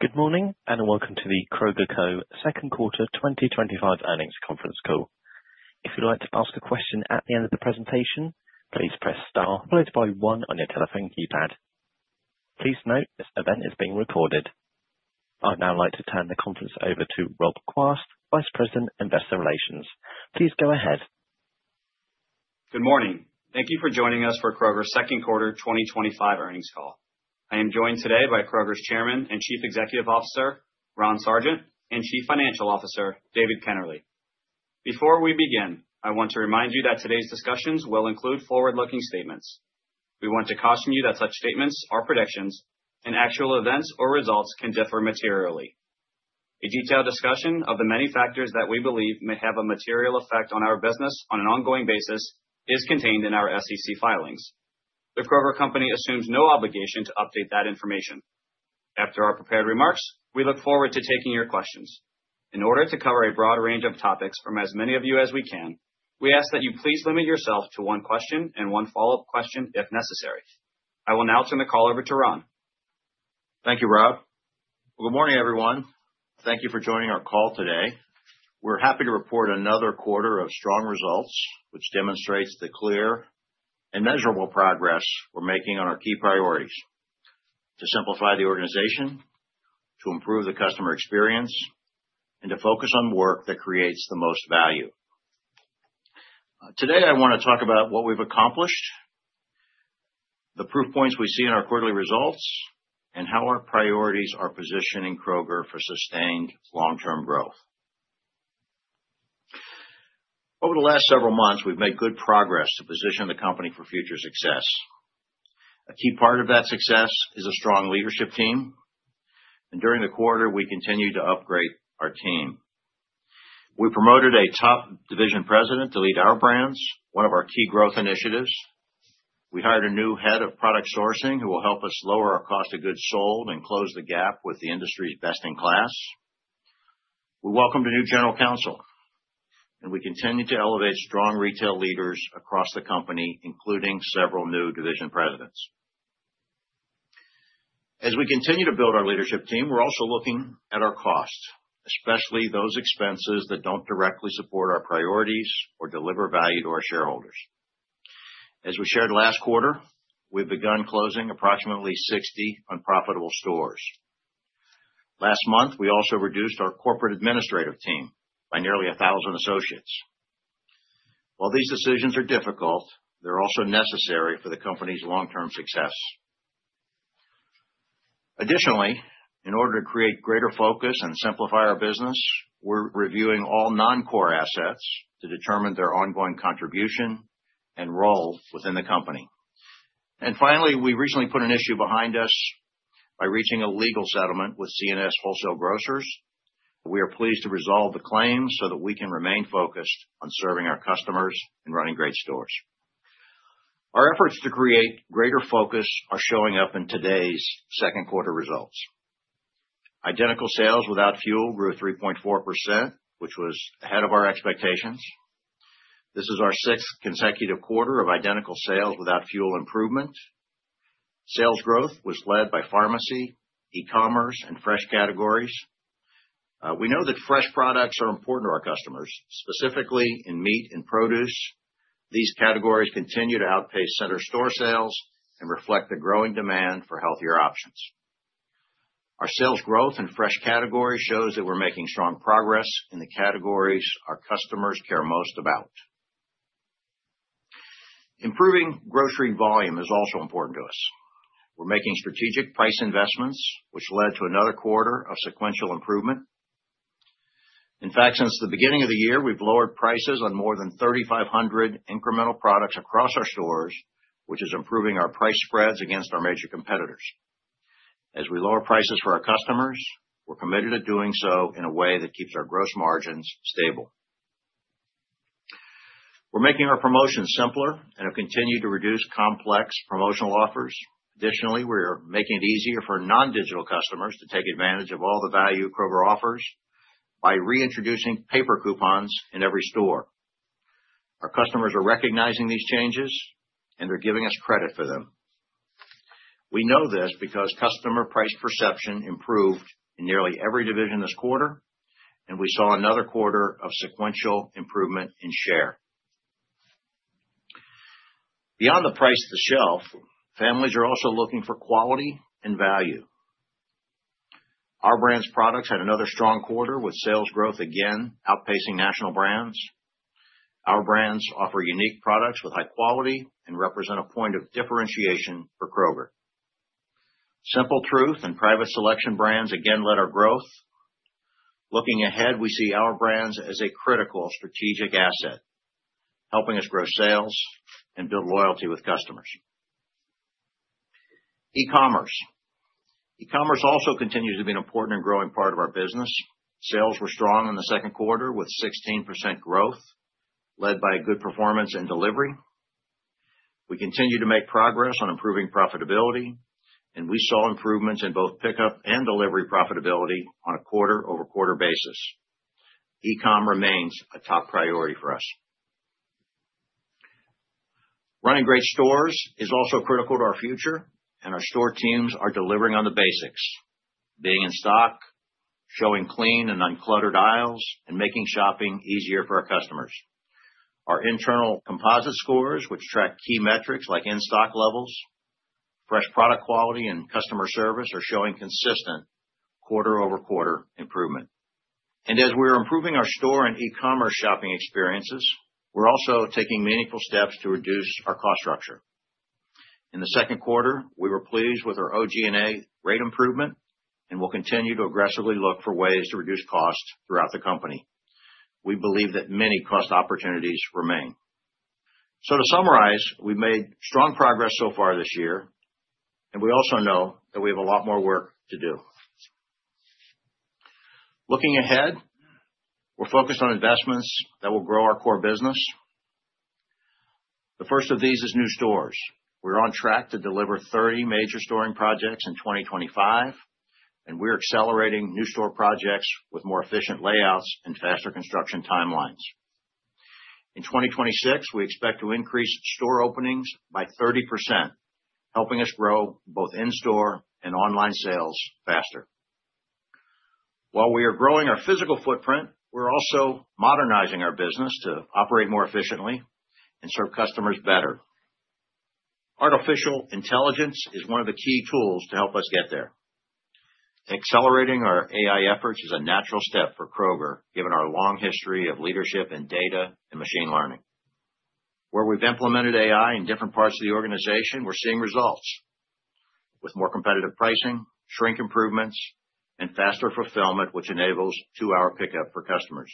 Good morning and welcome to The Kroger Co second quarter 2025 earnings conference call. If you'd like to ask a question at the end of the presentation, please press star followed by one on your telephone keypad. Please note this event is being recorded. I'd now like to turn the conference over to Rob Quast, Vice President, Investor Relations. Please go ahead. Good morning. Thank you for joining us for Kroger's second quarter 2025 earnings call. I am joined today by Kroger's Chairman and Chief Executive Officer, Ron Sargent, and Chief Financial Officer, David Kennerley. Before we begin, I want to remind you that today's discussions will include forward-looking statements. We want to caution you that such statements are predictions, and actual events or results can differ materially. A detailed discussion of the many factors that we believe may have a material effect on our business on an ongoing basis is contained in our SEC filings. The Kroger Company assumes no obligation to update that information. After our prepared remarks, we look forward to taking your questions. In order to cover a broad range of topics from as many of you as we can, we ask that you please limit yourself to one question and one follow-up question if necessary. I will now turn the call over to Ron. Thank you, Rob. Good morning, everyone. Thank you for joining our call today. We're happy to report another quarter of strong results, which demonstrates the clear and measurable progress we're making on our key priorities: to simplify the organization, to improve the customer experience, and to focus on work that creates the most value. Today, I want to talk about what we've accomplished, the proof points we see in our quarterly results, and how our priorities are positioning Kroger for sustained long-term growth. Over the last several months, we've made good progress to position the company for future success. A key part of that success is a strong leadership team, and during the quarter, we continue to upgrade our team. We promoted a top division president to lead our brands, one of our key growth initiatives. We hired a new head of product sourcing who will help cost of goods sold and close the gap with the industry's best in class. We welcomed a new general counsel, and we continue to elevate strong retail leaders across the company, including several new division presidents. As we continue to build our leadership team, we're also looking at our costs, especially those expenses that don't directly support our priorities or deliver value to our shareholders. As we shared last quarter, we've begun closing approximately 60 unprofitable stores. Last month, we also reduced our corporate administrative team by nearly 1,000 associates. While these decisions are difficult, they're also necessary for the company's long-term success. Additionally, in order to create greater focus and simplify our business, we're reviewing all non-core assets to determine their ongoing contribution and role within the company. And finally, we recently put an issue behind us by reaching a legal settlement with C&S Wholesale Grocers. We are pleased to resolve the claim so that we can remain focused on serving our customers and running great stores. Our efforts to create greater focus are showing up in today's second quarter results. Identical Sales Without Fuel grew 3.4%, which was ahead of our expectations. This is our sixth consecutive quarter of Identical Sales Without Fuel improvement. Sales growth was led by pharmacy, e-commerce, and fresh categories. We know that fresh products are important to our customers, specifically in meat and produce. These categories continue to outpace center store sales and reflect the growing demand for healthier options. Our sales growth in fresh categories shows that we're making strong progress in the categories our customers care most about. Improving grocery volume is also important to us. We're making strategic price investments, which led to another quarter of sequential improvement. In fact, since the beginning of the year, we've lowered prices on more than 3,500 incremental products across our stores, which is improving our price spreads against our major competitors. As we lower prices for our customers, we're committed to doing so in a way that keeps our gross margins stable. We're making our promotions simpler and have continued to reduce complex promotional offers. Additionally, we are making it easier for non-digital customers to take advantage of all the value Kroger offers by reintroducing paper coupons in every store. Our customers are recognizing these changes, and they're giving us credit for them. We know this because customer price perception improved in nearly every division this quarter, and we saw another quarter of sequential improvement in share. Beyond the price at the shelf, families are also looking for quality and value. Our brand's products had another strong quarter with sales growth again outpacing national brands. Our brands offer unique products with high quality and represent a point of differentiation for Kroger. Simple Truth and Private Selection brands again led our growth. Looking ahead, we see our brands as a critical strategic asset, helping us grow sales and build loyalty with customers. E-commerce. E-commerce also continues to be an important and growing part of our business. Sales were strong in the second quarter with 16% growth, led by good performance and delivery. We continue to make progress on improving profitability, and we saw improvements in both pickup and delivery profitability on a quarter-over-quarter basis. E-com remains a top priority for us. Running great stores is also critical to our future, and our store teams are delivering on the basics: being in stock, showing clean and uncluttered aisles, and making shopping easier for our customers. Our internal composite scores, which track key metrics like in-stock levels, fresh product quality, and customer service, are showing consistent quarter-over-quarter improvement. And as we are improving our store and e-commerce shopping experiences, we're also taking meaningful steps to reduce our cost structure. In the second quarter, we were pleased with our OG&A rate improvement and will continue to aggressively look for ways to reduce costs throughout the company. We believe that many opportunity costs remain. So, to summarize, we've made strong progress so far this year, and we also know that we have a lot more work to do. Looking ahead, we're focused on investments that will grow our core business. The first of these is new stores. We're on track to deliver 30 major store projects in 2025, and we're accelerating new store projects with more efficient layouts and faster construction timelines. In 2026, we expect to increase store openings by 30%, helping us grow both in-store and online sales faster. While we are growing our physical footprint, we're also modernizing our business to operate more efficiently and serve customers better. Artificial intelligence is one of the key tools to help us get there. Accelerating our AI efforts is a natural step for Kroger, given our long history of leadership in data and machine learning. Where we've implemented AI in different parts of the organization, we're seeing results with more competitive pricing, shrink improvements, and faster fulfillment, which enables two-hour pickup for customers.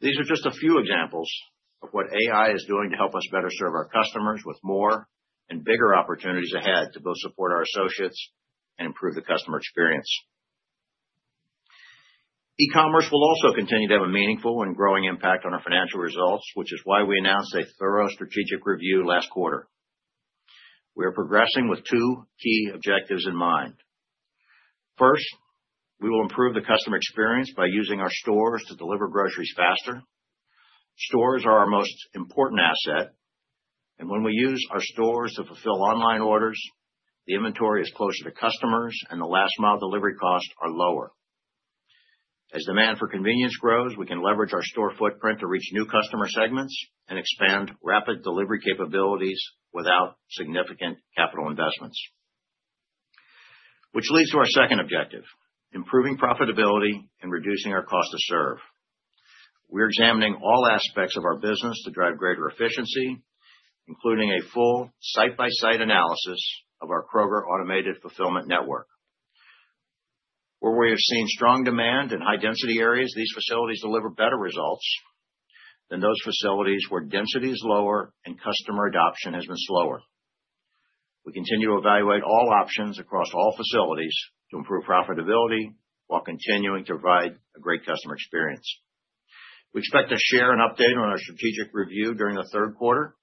These are just a few examples of what AI is doing to help us better serve our customers with more and bigger opportunities ahead to both support our associates and improve the customer experience. E-commerce will also continue to have a meaningful and growing impact on our financial results, which is why we announced a thorough strategic review last quarter. We are progressing with two key objectives in mind. First, we will improve the customer experience by using our stores to deliver groceries faster. Stores are our most important asset, and when we use our stores to fulfill online orders, the inventory is closer to customers and the last-mile delivery costs are lower. As demand for convenience grows, we can leverage our store footprint to reach new customer segments and expand rapid delivery capabilities without significant capital investments, which leads to our second objective: improving profitability and reducing our cost to serve. We're examining all aspects of our business to drive greater efficiency, including a full site-by-site analysis of our Kroger automated fulfillment network. Where we have seen strong demand in high-density areas, these facilities deliver better results than those facilities where density is lower and customer adoption has been slower. We continue to evaluate all options across all facilities to improve profitability while continuing to provide a great customer experience. We expect to share an update on our strategic review during the third quarter.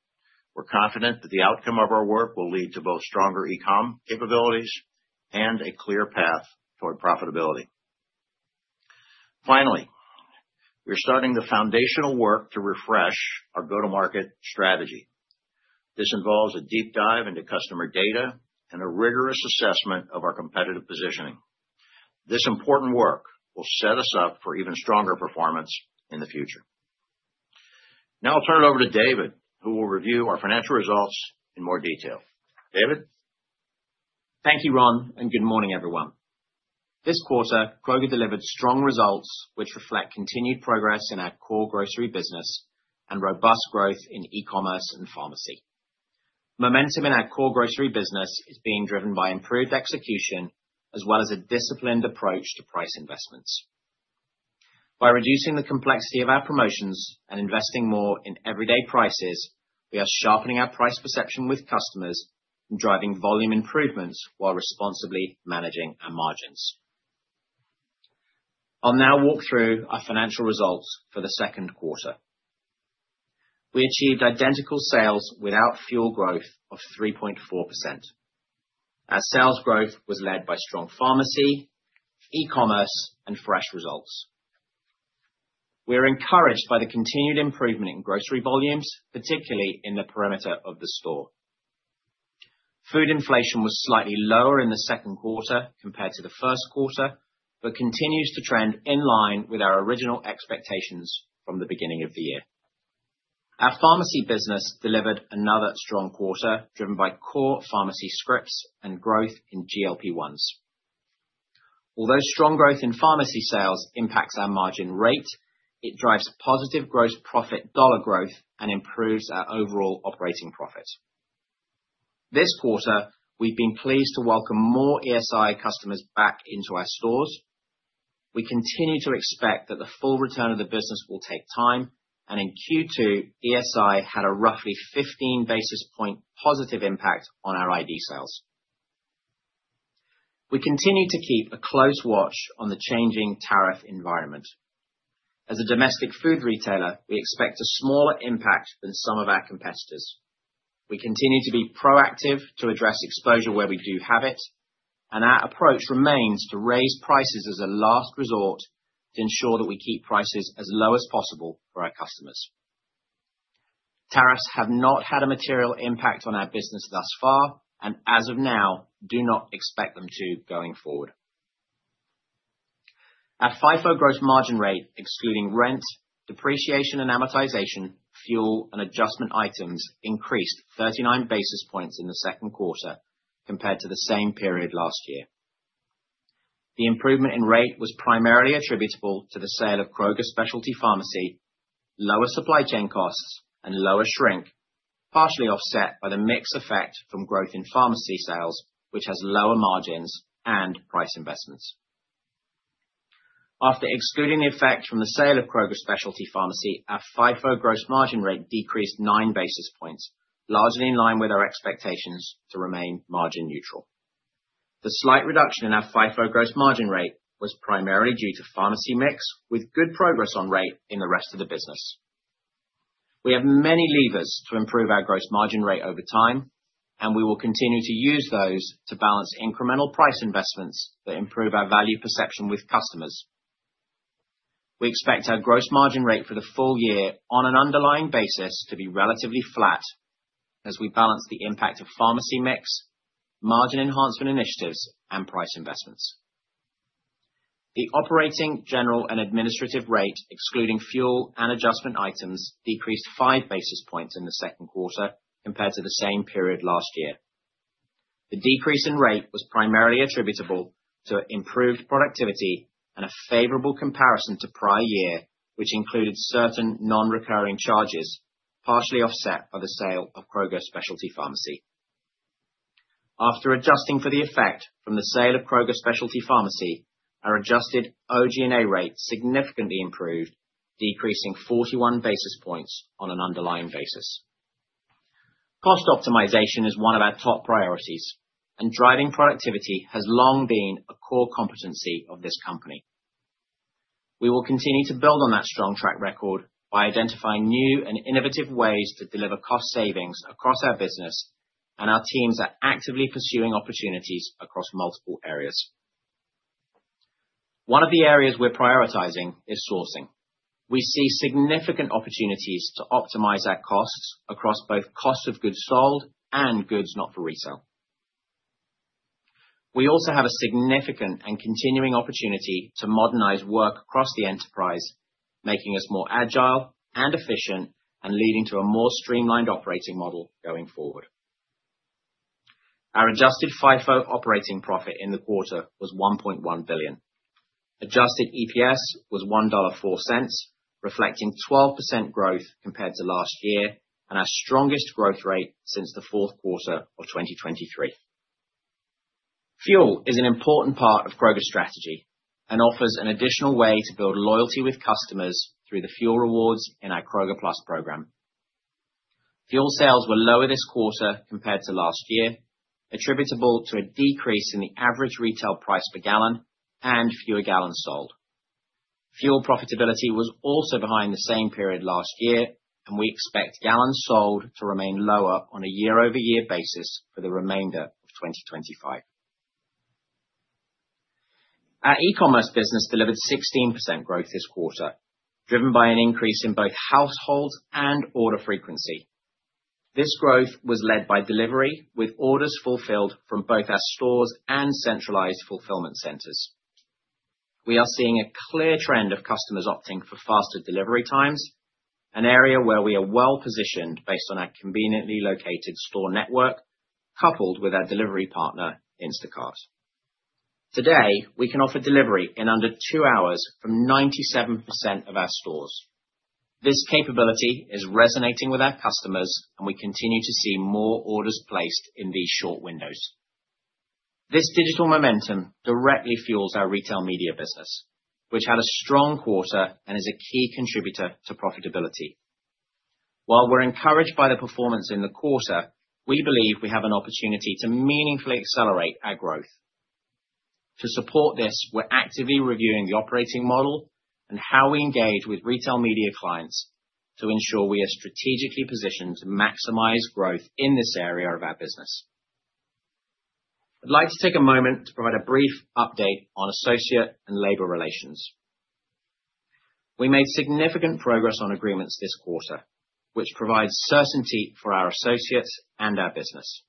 We're confident that the outcome of our work will lead to both stronger e-com capabilities and a clear path toward profitability. Finally, we're starting the foundational work to refresh our go-to-market strategy. This involves a deep dive into customer data and a rigorous assessment of our competitive positioning. This important work will set us up for even stronger performance in the future. Now I'll turn it over to David, who will review our financial results in more detail. David? Thank you, Ron, and good morning, everyone. This quarter, Kroger delivered strong results, which reflect continued progress in our core grocery business and robust growth in e-commerce and pharmacy. Momentum in our core grocery business is being driven by improved execution as well as a disciplined approach to price investments. By reducing the complexity of our promotions and investing more in everyday prices, we are sharpening our price perception with customers and driving volume improvements while responsibly managing our margins. I'll now walk through our financial results for the second quarter. We achieved Identical Sales Without Fuel growth of 3.4%, as sales growth was led by strong pharmacy, e-commerce, and fresh results. We are encouraged by the continued improvement in grocery volumes, particularly in the perimeter of the store. Food inflation was slightly lower in the second quarter compared to the first quarter, but continues to trend in line with our original expectations from the beginning of the year. Our pharmacy business delivered another strong quarter, driven by core pharmacy scripts and growth in GLP-1s. Although strong growth in pharmacy sales impacts our margin rate, it drives positive gross profit dollar growth and improves our overall operating profit. This quarter, we've been pleased to welcome more ESI customers back into our stores. We continue to expect that the full return of the business will take time, and in Q2, ESI had a roughly 15 basis points positive impact on our ID sales. We continue to keep a close watch on the changing tariff environment. As a domestic food retailer, we expect a smaller impact than some of our competitors. We continue to be proactive to address exposure where we do have it, and our approach remains to raise prices as a last resort to ensure that we keep prices as low as possible for our customers. Tariffs have not had a material impact on our business thus far, and as of now, do not expect them to going forward. Our FIFO gross margin rate, excluding rent, depreciation, and amortization, fuel, and adjustment items, increased 39 basis points in the second quarter compared to the same period last year. The improvement in rate was primarily attributable to the sale of Kroger Specialty Pharmacy, lower supply chain costs, and lower shrink, partially offset by the mix effect from growth in pharmacy sales, which has lower margins and price investments. After excluding the effect from the sale of Kroger Specialty Pharmacy, our FIFO gross margin rate decreased 9 basis points, largely in line with our expectations to remain margin neutral. The slight reduction in our FIFO gross margin rate was primarily due to pharmacy mix with good progress on rate in the rest of the business. We have many levers to improve our gross margin rate over time, and we will continue to use those to balance incremental price investments that improve our value perception with customers. We expect our gross margin rate for the full year on an underlying basis to be relatively flat as we balance the impact of pharmacy mix, margin enhancement initiatives, and price investments. The operating general and administrative rate, excluding fuel and adjustment items, decreased 5 basis points in the second quarter compared to the same period last year. The decrease in rate was primarily attributable to improved productivity and a favorable comparison to prior year, which included certain non-recurring charges, partially offset by the sale of Kroger Specialty Pharmacy. After adjusting for the effect from the sale of Kroger Specialty Pharmacy, our adjusted OG&A rate significantly improved, decreasing 41 basis points on an underlying basis. Cost optimization is one of our top priorities, and driving productivity has long been a core competency of this company. We will continue to build on that strong track record by identifying new and innovative ways to deliver cost savings across our business, and our teams are actively pursuing opportunities across multiple areas. One of the areas we're prioritizing is sourcing. We see significant opportunities to optimize our both cost of goods sold and goods not for resale. We also have a significant and continuing opportunity to modernize work across the enterprise, making us more agile and efficient and leading to a more streamlined operating model going forward. Our Adjusted FIFO Operating Profit in the quarter was $1.1 billion. Adjusted EPS was $1.04, reflecting 12% growth compared to last year and our strongest growth rate since the fourth quarter of 2023. Fuel is an important part of Kroger's strategy and offers an additional way to build loyalty with customers through the fuel rewards in our Kroger Plus program. Fuel sales were lower this quarter compared to last year, attributable to a decrease in the average retail price per gallon and fewer gallons sold. Fuel profitability was also behind the same period last year, and we expect gallons sold to remain lower on a year-over-year basis for the remainder of 2025. Our e-commerce business delivered 16% growth this quarter, driven by an increase in both household and order frequency. This growth was led by delivery, with orders fulfilled from both our stores and centralized fulfillment centers. We are seeing a clear trend of customers opting for faster delivery times, an area where we are well-positioned based on our conveniently located store network, coupled with our delivery partner, Instacart. Today, we can offer delivery in under two hours from 97% of our stores. This capability is resonating with our customers, and we continue to see more orders placed in these short windows. This digital momentum directly fuels our retail media business, which had a strong quarter and is a key contributor to profitability. While we're encouraged by the performance in the quarter, we believe we have an opportunity to meaningfully accelerate our growth. To support this, we're actively reviewing the operating model and how we engage with retail media clients to ensure we are strategically positioned to maximize growth in this area of our business. I'd like to take a moment to provide a brief update on Associate and Labor Relations. We made significant progress on agreements this quarter, which provides certainty for our associates and our business.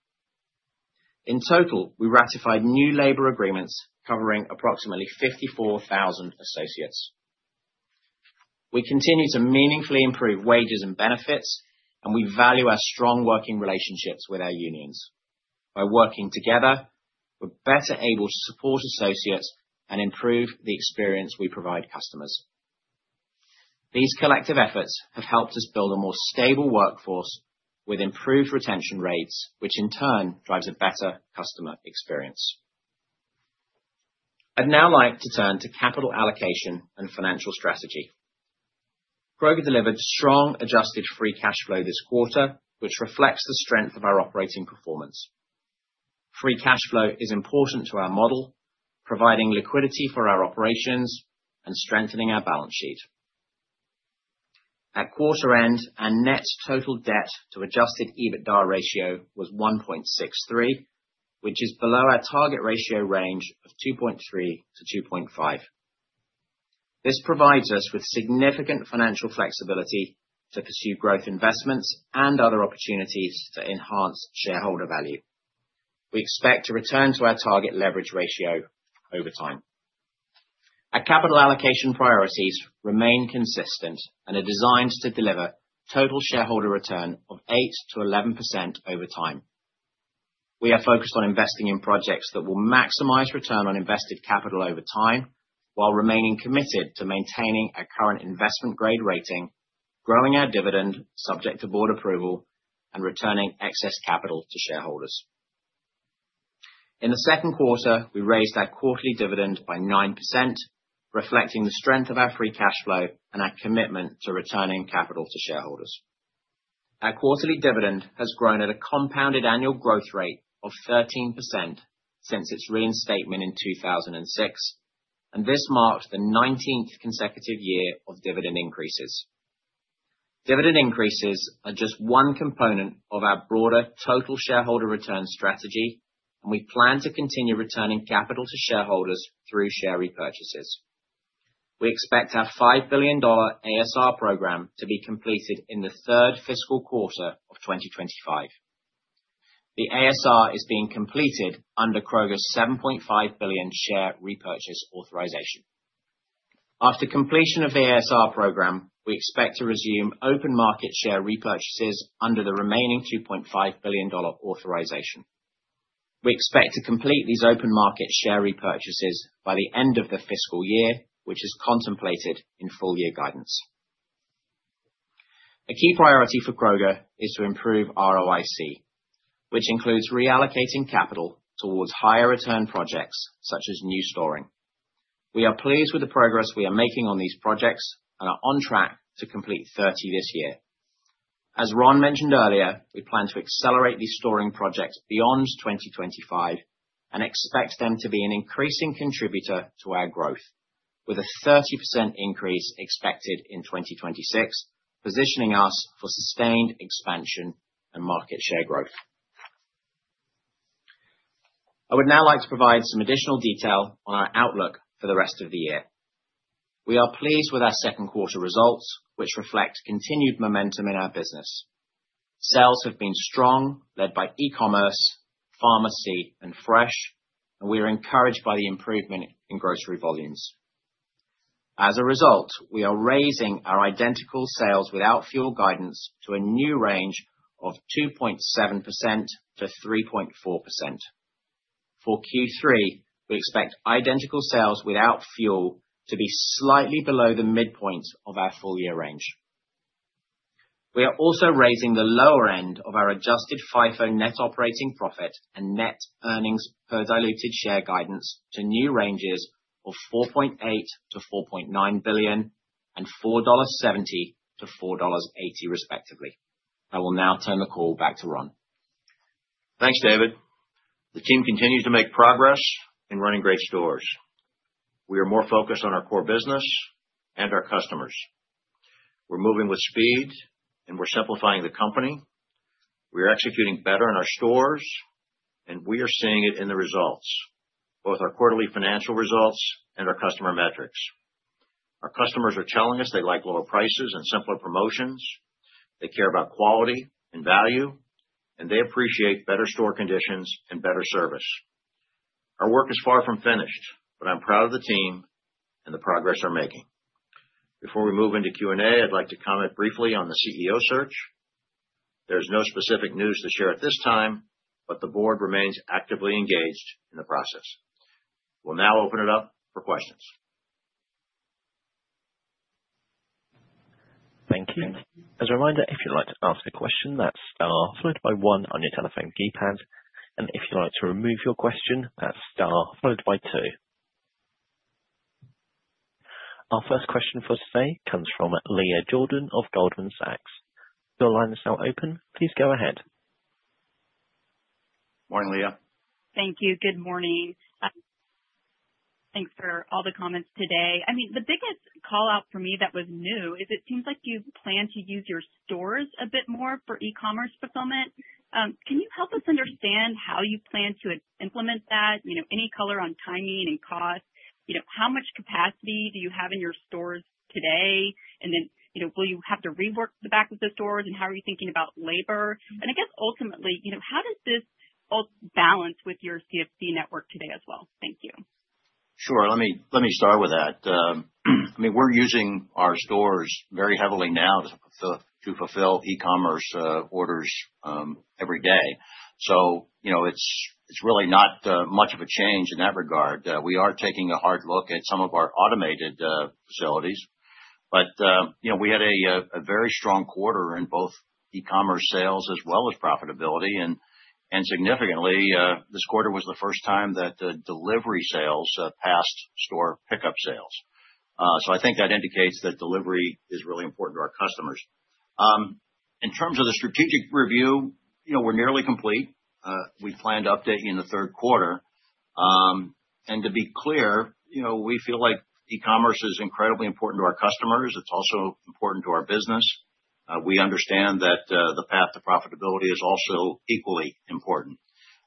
In total, we ratified new labor agreements covering approximately 54,000 associates. We continue to meaningfully improve wages and benefits, and we value our strong working relationships with our unions. By working together, we're better able to support associates and improve the experience we provide customers. These collective efforts have helped us build a more stable workforce with improved retention rates, which in turn drives a better customer experience. I'd now like to turn to capital allocation and financial strategy. Kroger delivered strong Adjusted Free Cash Flow this quarter, which reflects the strength of our operating performance. Free Cash Flow is important to our model, providing liquidity for our operations and strengthening our balance sheet. At quarter end, our net total debt to Adjusted EBITDA ratio was 1.63, which is below our target ratio range of 2.3-2.5. This provides us with significant financial flexibility to pursue growth investments and other opportunities to enhance shareholder value. We expect to return to our target leverage ratio over time. Our capital allocation priorities remain consistent and are designed to deliver total shareholder return of 8%-11% over time. We are focused on investing in projects that will maximize return on invested capital over time while remaining committed to maintaining our current investment grade rating, growing our dividend subject to board approval, and returning excess capital to shareholders. In the second quarter, we raised our quarterly dividend by 9%, reflecting the strength of our Free Cash Flow and our commitment to returning capital to shareholders. Our quarterly dividend has grown at a compounded annual growth rate of 13% since its reinstatement in 2006, and this marked the 19th consecutive year of dividend increases. Dividend increases are just one component of our broader total shareholder return strategy, and we plan to continue returning capital to shareholders through share repurchases. We expect our $5 billion ASR program to be completed in the third fiscal quarter of 2025. The ASR is being completed under Kroger's $7.5 billion share repurchase authorization. After completion of the ASR program, we expect to resume open market share repurchases under the remaining $2.5 billion authorization. We expect to complete these open market share repurchases by the end of the fiscal year, which is contemplated in full year guidance. A key priority for Kroger is to improve ROIC, which includes reallocating capital towards higher return projects such as new stores. We are pleased with the progress we are making on these projects and are on track to complete 30 this year. As Ron mentioned earlier, we plan to accelerate these store projects beyond 2025 and expect them to be an increasing contributor to our growth, with a 30% increase expected in 2026, positioning us for sustained expansion and market share growth. I would now like to provide some additional detail on our outlook for the rest of the year. We are pleased with our second quarter results, which reflect continued momentum in our business. Sales have been strong, led by e-commerce, pharmacy, and fresh, and we are encouraged by the improvement in grocery volumes. As a result, we are raising our Identical Sales Without Fuel guidance to a new range of 2.7%-3.4%. For Q3, we expect Identical Sales Without Fuel to be slightly below the midpoint of our full year range. We are also raising the lower end of our Adjusted FIFO Net Operating Profit and Net Earnings Per Diluted Share guidance to new ranges of $4.8-$4.9 billion and $4.70-$4.80, respectively. I will now turn the call back to Ron. Thanks, David. The team continues to make progress in running great stores. We are more focused on our core business and our customers. We're moving with speed, and we're simplifying the company. We are executing better in our stores, and we are seeing it in the results, both our quarterly financial results and our customer metrics. Our customers are telling us they like lower prices and simpler promotions. They care about quality and value, and they appreciate better store conditions and better service. Our work is far from finished, but I'm proud of the team and the progress we're making. Before we move into Q&A, I'd like to comment briefly on the CEO search. There is no specific news to share at this time, but the board remains actively engaged in the process. We'll now open it up for questions. Thank you. As a reminder, if you'd like to ask a question, that's star followed by one on your telephone keypad, and if you'd like to remove your question, that's star followed by two. Our first question for today comes from Leah Jordan of Goldman Sachs. Your line is now open. Please go ahead. Morning, Leah. Thank you. Good morning. Thanks for all the comments today. I mean, the biggest callout for me that was new is it seems like you plan to use your stores a bit more for e-commerce fulfillment. Can you help us understand how you plan to implement that? Any color on timing and cost? How much capacity do you have in your stores today? And then will you have to rework the back of the stores? And how are you thinking about labor? And I guess ultimately, how does this balance with your CFC network today as well? Thank you. Sure. Let me start with that. I mean, we're using our stores very heavily now to fulfill e-commerce orders every day. So it's really not much of a change in that regard. We are taking a hard look at some of our automated facilities, but we had a very strong quarter in both e-commerce sales as well as profitability. And significantly, this quarter was the first time that delivery sales passed store pickup sales. So I think that indicates that delivery is really important to our customers. In terms of the strategic review, we're nearly complete. We plan to update you in the third quarter. And to be clear, we feel like e-commerce is incredibly important to our customers. It's also important to our business. We understand that the path to profitability is also equally important.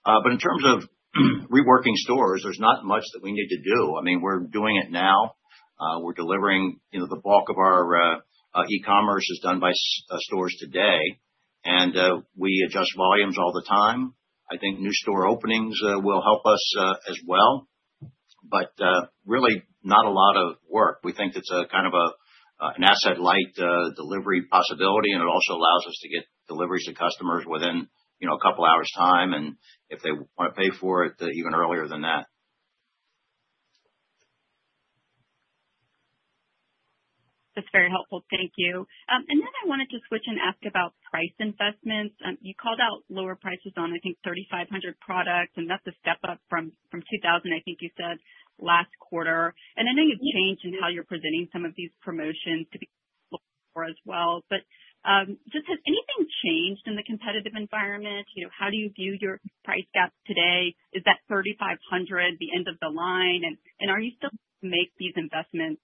But in terms of reworking stores, there's not much that we need to do. I mean, we're doing it now. We're delivering the bulk of our e-commerce is done by stores today, and we adjust volumes all the time. I think new store openings will help us as well, but really not a lot of work. We think it's kind of an asset-light delivery possibility, and it also allows us to get deliveries to customers within a couple of hours' time, and if they want to pay for it, even earlier than that. That's very helpful. Thank you. And then I wanted to switch and ask about price investments. You called out lower prices on, I think, 3,500 products, and that's a step up from 2,000, I think you said, last quarter. And I know you've changed in how you're presenting some of these promotions to be as well, but just has anything changed in the competitive environment? How do you view your price gap today? Is that 3,500 the end of the line? And are you still able to make these investments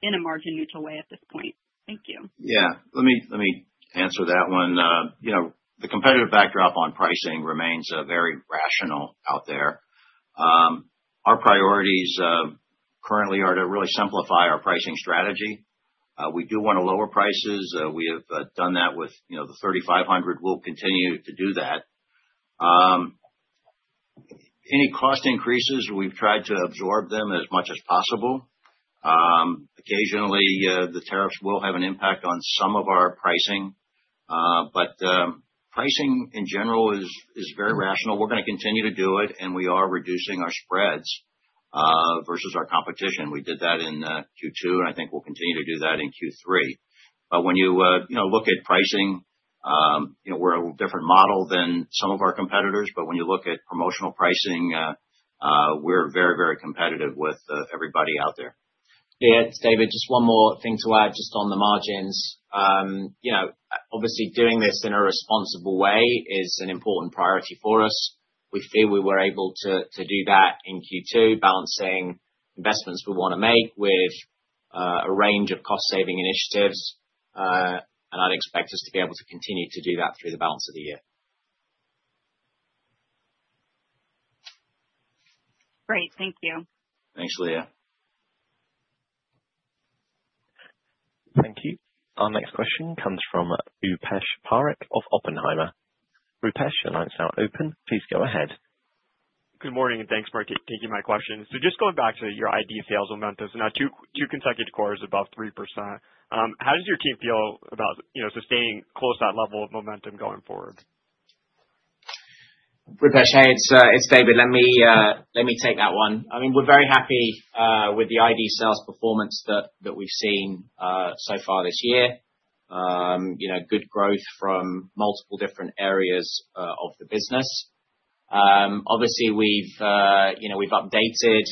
in a margin-neutral way at this point? Thank you. Yeah. Let me answer that one. The competitive backdrop on pricing remains very rational out there. Our priorities currently are to really simplify our pricing strategy. We do want to lower prices. We have done that with the 3,500. We'll continue to do that. Any cost increases, we've tried to absorb them as much as possible. Occasionally, the tariffs will have an impact on some of our pricing, but pricing in general is very rational. We're going to continue to do it, and we are reducing our spreads versus our competition. We did that in Q2, and I think we'll continue to do that in Q3. But when you look at pricing, we're a different model than some of our competitors, but when you look at promotional pricing, we're very, very competitive with everybody out there. Yeah. David, just one more thing to add just on the margins. Obviously, doing this in a responsible way is an important priority for us. We feel we were able to do that in Q2, balancing investments we want to make with a range of cost-saving initiatives, and I'd expect us to be able to continue to do that through the balance of the year. Great. Thank you. Thanks, Leah. Thank you. Our next question comes from Rupesh Parikh of Oppenheimer. Rupesh, your line's now open. Please go ahead. Good morning, and thanks for taking my question. So just going back to your ID sales momentum, so now two consecutive quarters above 3%. How does your team feel about sustaining close to that level of momentum going forward? Rupesh, hey, it's David. Let me take that one. I mean, we're very happy with the ID sales performance that we've seen so far this year. Good growth from multiple different areas of the business. Obviously, we've updated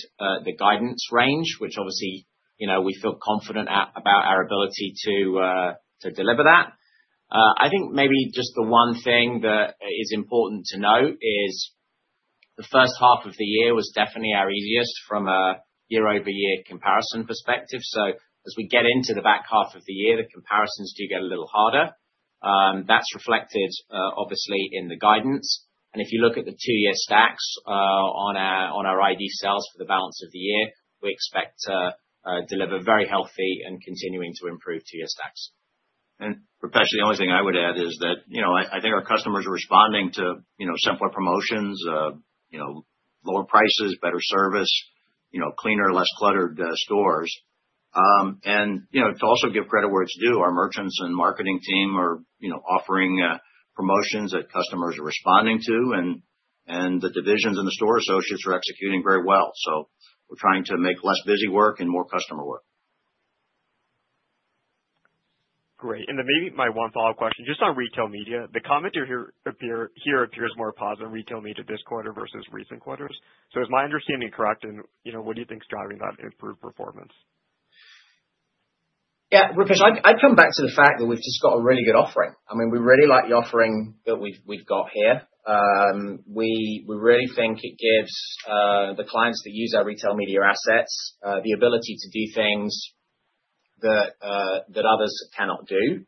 the guidance range, which obviously we feel confident about our ability to deliver that. I think maybe just the one thing that is important to note is the first half of the year was definitely our easiest from a year-over-year comparison perspective. So as we get into the back half of the year, the comparisons do get a little harder. That's reflected, obviously, in the guidance, and if you look at the two-year stacks on our ID sales for the balance of the year, we expect to deliver very healthy and continuing to improve two-year stacks. And Rupesh, the only thing I would add is that I think our customers are responding to simpler promotions, lower prices, better service, cleaner, less cluttered stores. And to also give credit where it's due, our merchants and marketing team are offering promotions that customers are responding to, and the divisions and the store associates are executing very well. So we're trying to make less busy work and more customer work. Great. And then maybe my one follow-up question, just on retail media, the comment here appears more positive on retail media this quarter versus recent quarters. So is my understanding correct, and what do you think's driving that improved performance? Yeah. Rupesh, I'd come back to the fact that we've just got a really good offering. I mean, we really like the offering that we've got here. We really think it gives the clients that use our retail media assets the ability to do things that others cannot do.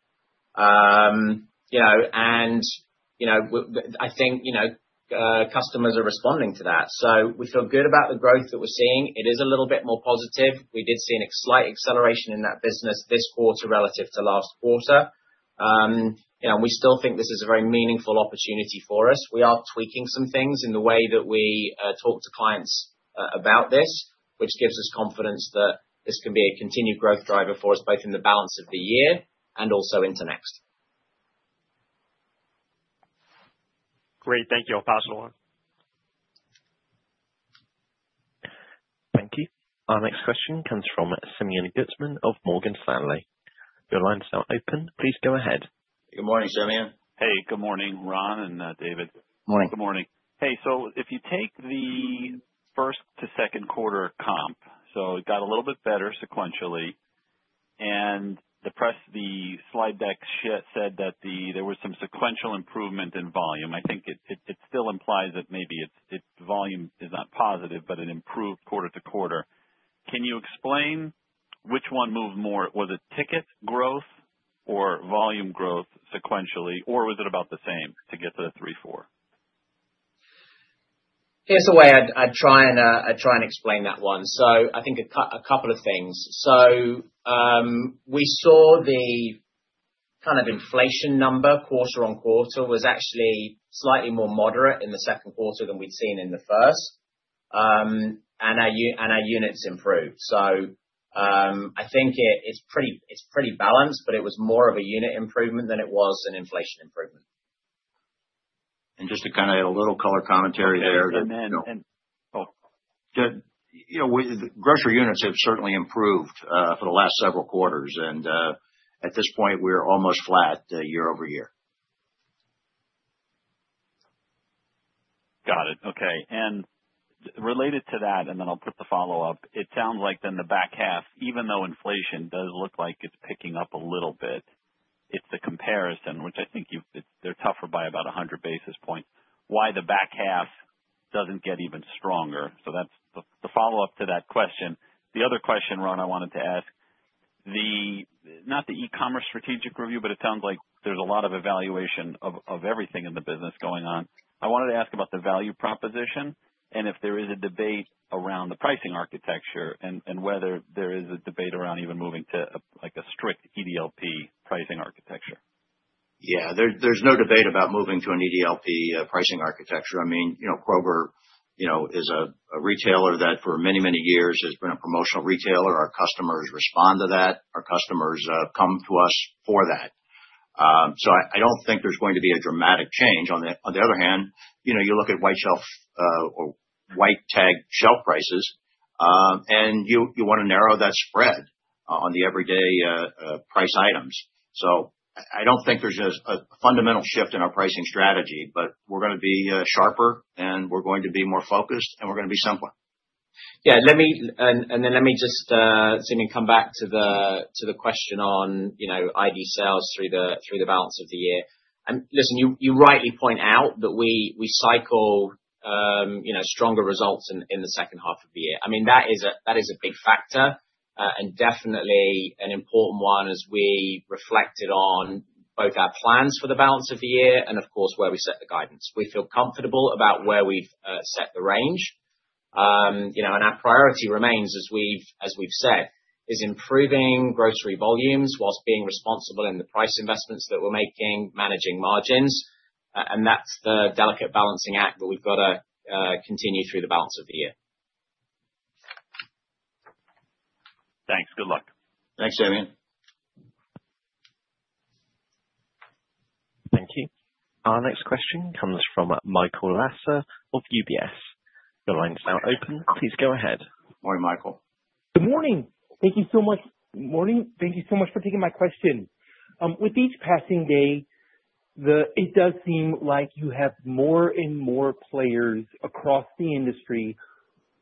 And I think customers are responding to that. So we feel good about the growth that we're seeing. It is a little bit more positive. We did see a slight acceleration in that business this quarter relative to last quarter. We still think this is a very meaningful opportunity for us. We are tweaking some things in the way that we talk to clients about this, which gives us confidence that this can be a continued growth driver for us, both in the balance of the year and also into next. Great. Thank you. I'll pass it along. Thank you. Our next question comes from Simeon Gutman of Morgan Stanley. Your line's now open. Please go ahead. Good morning, Simeon. Hey. Good morning, Ron and David. Morning. Good morning. Hey. So if you take the first to second quarter comp, so it got a little bit better sequentially, and the slide deck said that there was some sequential improvement in volume. I think it still implies that maybe the volume is not positive, but it improved quarter to quarter. Can you explain which one moved more? Was it ticket growth or volume growth sequentially, or was it about the same to get to the 3-4? Here's the way I'd try and explain that one. So I think a couple of things. So we saw the kind of inflation number quarter on quarter was actually slightly more moderate in the second quarter than we'd seen in the first, and our units improved. So I think it's pretty balanced, but it was more of a unit improvement than it was an inflation improvement. And just to kind of add a little color commentary there. Oh, good. Grocery units have certainly improved for the last several quarters, and at this point, we're almost flat year-over-year. Got it. Okay. And related to that, and then I'll put the follow-up. It sounds like then the back half, even though inflation does look like it's picking up a little bit, it's the comparison, which I think they're tougher by about 100 basis points, why the back half doesn't get even stronger, so that's the follow-up to that question. The other question, Ron, I wanted to ask, not the e-commerce strategic review, but it sounds like there's a lot of evaluation of everything in the business going on. I wanted to ask about the value proposition and if there is a debate around the pricing architecture and whether there is a debate around even moving to a strict EDLP pricing architecture. Yeah. There's no debate about moving to an EDLP pricing architecture. I mean, Kroger is a retailer that for many, many years has been a promotional retailer. Our customers respond to that. Our customers come to us for that. So I don't think there's going to be a dramatic change. On the other hand, you look at white-tag shelf prices, and you want to narrow that spread on the everyday price items. So I don't think there's a fundamental shift in our pricing strategy, but we're going to be sharper, and we're going to be more focused, and we're going to be simpler. Yeah. And then let me just, Simeon, come back to the question on ID sales through the balance of the year. Listen, you rightly point out that we cycle stronger results in the second half of the year. I mean, that is a big factor and definitely an important one as we reflected on both our plans for the balance of the year and, of course, where we set the guidance. We feel comfortable about where we've set the range. Our priority remains, as we've said, improving grocery volumes while being responsible in the price investments that we're making, managing margins. That's the delicate balancing act that we've got to continue through the balance of the year. Thanks. Good luck. Thanks, Simeon. Thank you. Our next question comes from Michael Lasser of UBS. Your line's now open. Please go ahead. Morning, Michael. Good morning. Thank you so much. Morning. Thank you so much for taking my question. With each passing day, it does seem like you have more and more players across the industry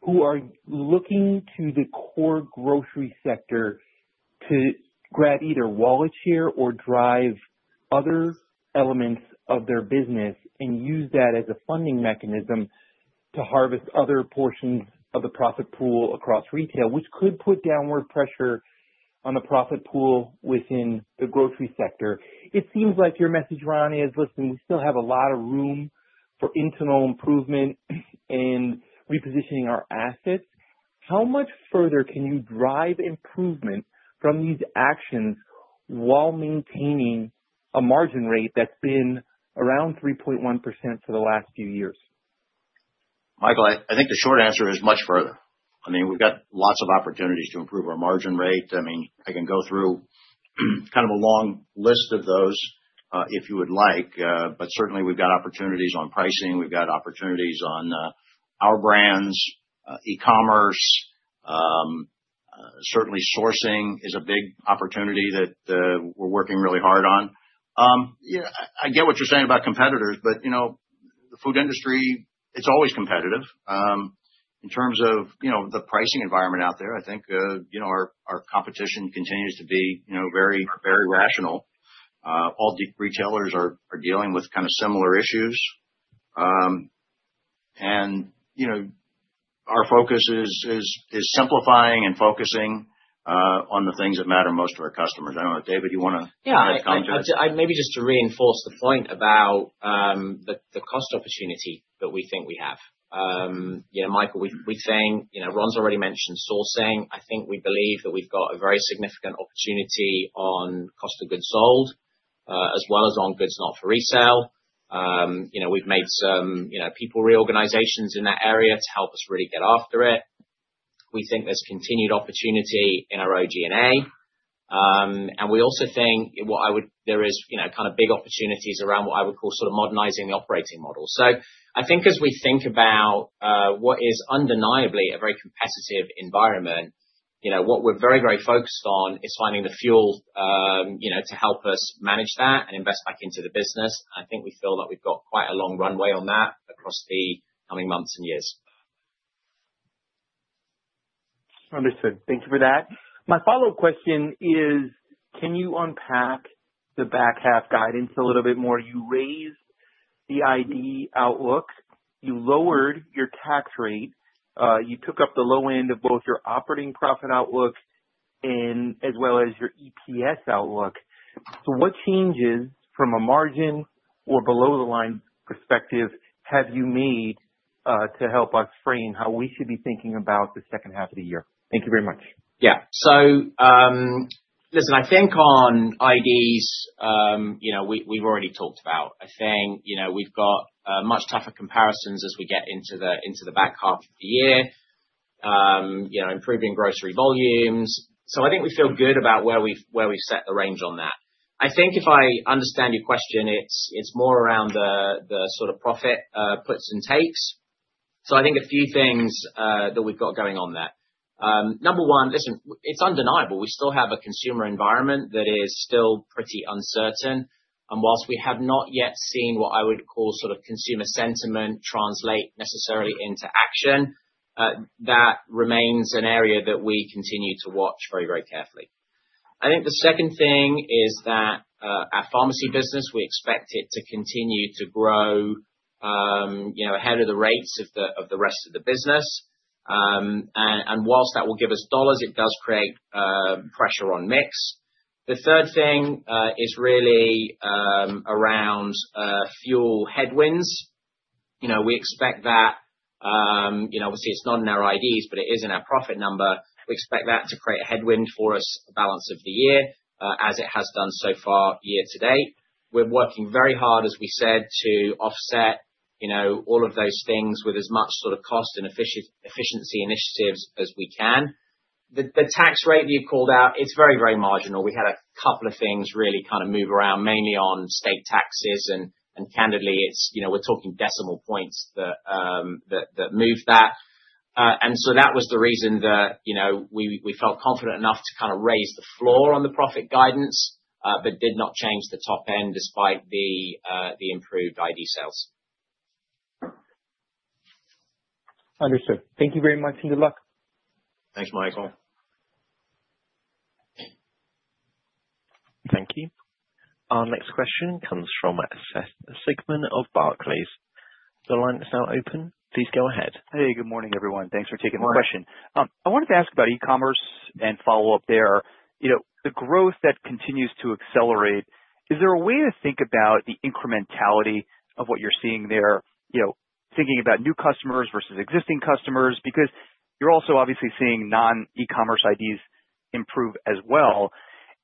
who are looking to the core grocery sector to grab either wallet share or drive other elements of their business and use that as a funding mechanism to harvest other portions of the profit pool across retail, which could put downward pressure on the profit pool within the grocery sector. It seems like your message, Ron, is, "Listen, we still have a lot of room for internal improvement and repositioning our assets." How much further can you drive improvement from these actions while maintaining a margin rate that's been around 3.1% for the last few years? Michael, I think the short answer is much further. I mean, we've got lots of opportunities to improve our margin rate. I mean, I can go through kind of a long list of those if you would like, but certainly, we've got opportunities on pricing. We've got opportunities on our brands, e-commerce. Certainly, sourcing is a big opportunity that we're working really hard on. I get what you're saying about competitors, but the food industry, it's always competitive. In terms of the pricing environment out there, I think our competition continues to be very rational. All retailers are dealing with kind of similar issues. And our focus is simplifying and focusing on the things that matter most to our customers. I don't know. David, do you want to add commentary? Yeah. Maybe just to reinforce the point about the cost opportunity that we think we have. Michael, we've seen Ron's already mentioned sourcing. I think we believe that we've got a goods not for resale. We've made some people reorganizations in that area to help us really get after it. We think there's continued opportunity in our OG&A. And we also think there is kind of big opportunities around what I would call sort of modernizing the operating model. So I think as we think about what is undeniably a very competitive environment, what we're very, very focused on is finding the fuel to help us manage that and invest back into the business. I think we feel that we've got quite a long runway on that across the coming months and years. Understood. Thank you for that. My follow-up question is, can you unpack the back half guidance a little bit more? You raised the ID outlook. You lowered your tax rate. You took up the low end of both your operating profit outlook as well as your EPS outlook. So what changes from a margin or below-the-line perspective have you made to help us frame how we should be thinking about the second half of the year? Thank you very much. Yeah. So listen, I think on IDs, we've already talked about. I think we've got much tougher comparisons as we get into the back half of the year, improving grocery volumes. So I think we feel good about where we've set the range on that. I think if I understand your question, it's more around the sort of profit puts and takes. So I think a few things that we've got going on there. Number one, listen, it's undeniable. We still have a consumer environment that is still pretty uncertain. While we have not yet seen what I would call sort of consumer sentiment translate necessarily into action, that remains an area that we continue to watch very, very carefully. I think the second thing is that our pharmacy business, we expect it to continue to grow ahead of the rates of the rest of the business. While that will give us dollars, it does create pressure on mix. The third thing is really around fuel headwinds. We expect that, obviously, it's not in our IDs, but it is in our profit number. We expect that to create a headwind for us for the balance of the year as it has done so far year to date. We're working very hard, as we said, to offset all of those things with as much sort of cost and efficiency initiatives as we can. The tax rate that you called out, it's very, very marginal. We had a couple of things really kind of move around, mainly on state taxes, and candidly, we're talking decimal points that moved that. So that was the reason that we felt confident enough to kind of raise the floor on the profit guidance but did not change the top end despite the improved ID sales. Understood. Thank you very much and good luck. Thanks, Michael. Thank you. Our next question comes from Seth Sigman of Barclays. The line is now open. Please go ahead. Hey. Good morning, everyone. Thanks for taking my question. I wanted to ask about e-commerce and follow-up there. The growth that continues to accelerate, is there a way to think about the incrementality of what you're seeing there, thinking about new customers versus existing customers? Because you're also obviously seeing non-e-commerce IDs improve as well.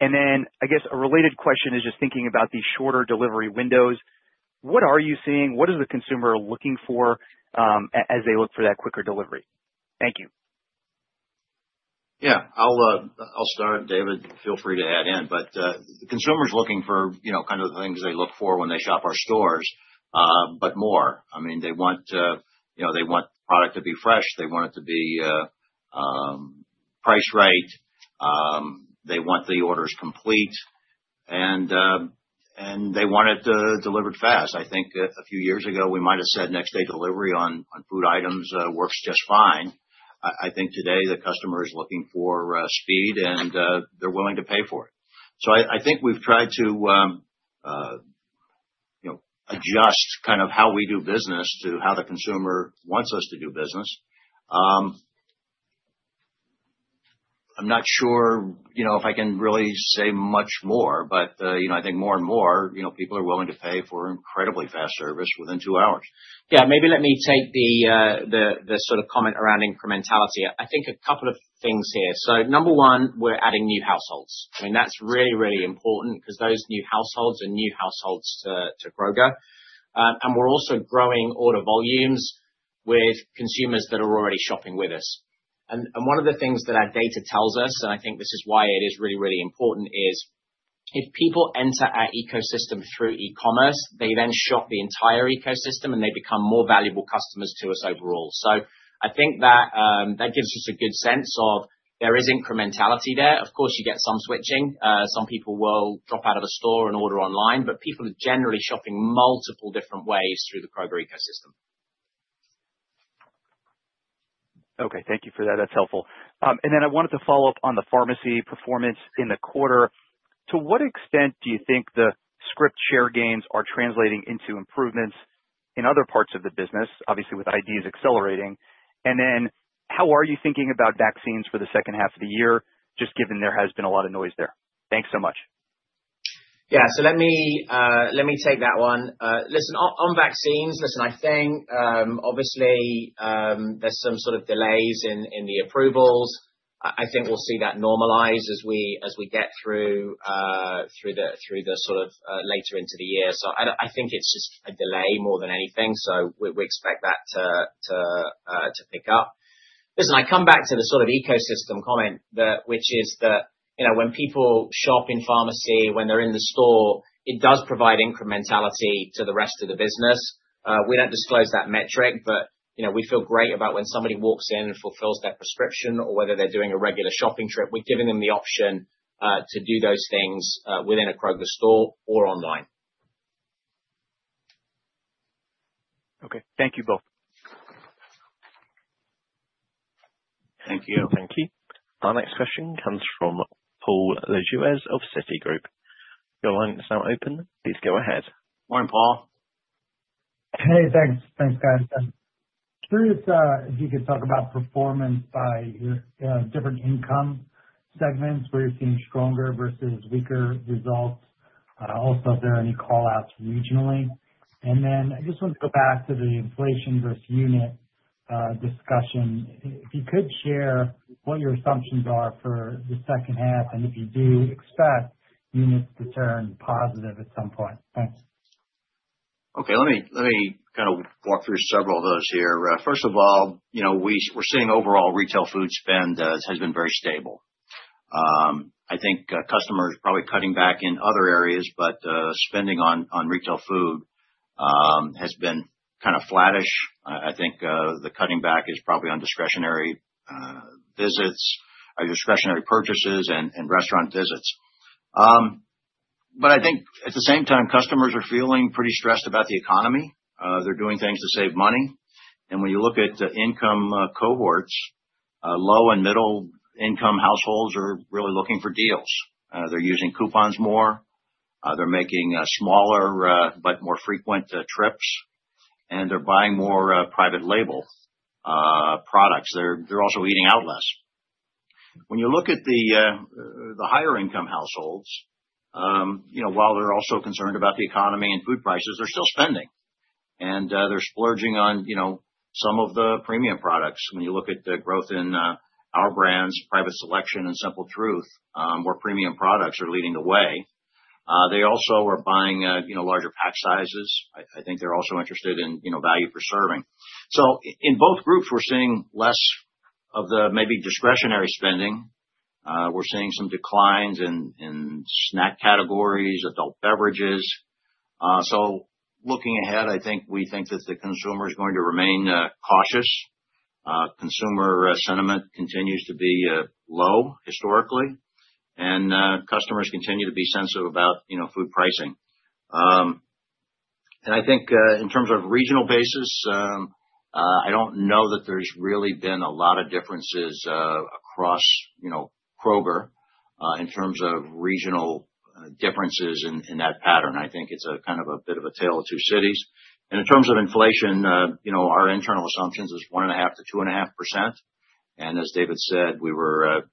And then I guess a related question is just thinking about these shorter delivery windows. What are you seeing? What is the consumer looking for as they look for that quicker delivery? Thank you. Yeah. I'll start, David. Feel free to add in. But the consumer's looking for kind of the things they look for when they shop our stores, but more. I mean, they want the product to be fresh. They want it to be price right. They want the orders complete. And they want it delivered fast. I think a few years ago, we might have said next-day delivery on food items works just fine. I think today, the customer is looking for speed, and they're willing to pay for it. So, I think we've tried to adjust kind of how we do business to how the consumer wants us to do business. I'm not sure if I can really say much more, but I think more and more, people are willing to pay for incredibly fast service within two hours. Yeah. Maybe let me take the sort of comment around incrementality. I think a couple of things here. So, number one, we're adding new households. I mean, that's really, really important because those new households are new households to Kroger. And we're also growing order volumes with consumers that are already shopping with us. And one of the things that our data tells us, and I think this is why it is really, really important, is if people enter our ecosystem through e-commerce, they then shop the entire ecosystem, and they become more valuable customers to us overall. So I think that gives us a good sense of there is incrementality there. Of course, you get some switching. Some people will drop out of a store and order online, but people are generally shopping multiple different ways through the Kroger ecosystem. Okay. Thank you for that. That's helpful. And then I wanted to follow up on the pharmacy performance in the quarter. To what extent do you think the script share gains are translating into improvements in other parts of the business, obviously with IDs accelerating? And then how are you thinking about vaccines for the second half of the year, just given there has been a lot of noise there? Thanks so much. Yeah. So let me take that one. Listen, on vaccines, listen, I think obviously there's some sort of delays in the approvals. I think we'll see that normalize as we get through the sort of later into the year. So I think it's just a delay more than anything. So we expect that to pick up. Listen, I come back to the sort of ecosystem comment, which is that when people shop in pharmacy, when they're in the store, it does provide incrementality to the rest of the business. We don't disclose that metric, but we feel great about when somebody walks in and fulfills their prescription or whether they're doing a regular shopping trip. We're giving them the option to do those things within a Kroger store or online. Okay. Thank you both. Thank you. Thank you. Our next question comes from Paul Lejuez of Citigroup. Your line is now open. Please go ahead. Morning, Paul. Hey. Thanks, guys. Curious if you could talk about performance by your different income segments, where you're seeing stronger versus weaker results? Also, if there are any callouts regionally? And then I just want to go back to the inflation versus unit discussion. If you could share what your assumptions are for the second half and if you do expect units to turn positive at some point? Thanks. Okay. Let me kind of walk through several of those here. First of all, we're seeing overall retail food spend has been very stable. I think customers are probably cutting back in other areas, but spending on retail food has been kind of flattish. I think the cutting back is probably on discretionary visits or discretionary purchases and restaurant visits. But I think at the same time, customers are feeling pretty stressed about the economy. They're doing things to save money. When you look at income cohorts, low and middle-income households are really looking for deals. They're using coupons more. They're making smaller but more frequent trips, and they're buying more private-label products. They're also eating out less. When you look at the higher-income households, while they're also concerned about the economy and food prices, they're still spending, and they're splurging on some of the premium products. When you look at the growth in our brands, Private Selection and Simple Truth, where premium products are leading the way, they also are buying larger pack sizes. I think they're also interested in value for serving, so in both groups, we're seeing less of the maybe discretionary spending. We're seeing some declines in snack categories, adult beverages, so looking ahead, I think we think that the consumer is going to remain cautious. Consumer sentiment continues to be low historically, and customers continue to be sensitive about food pricing, and I think in terms of regional basis, I don't know that there's really been a lot of differences across Kroger in terms of regional differences in that pattern. I think it's kind of a bit of a tale of two cities, and in terms of inflation, our internal assumption is 1.5%-2.5%. As David said, we were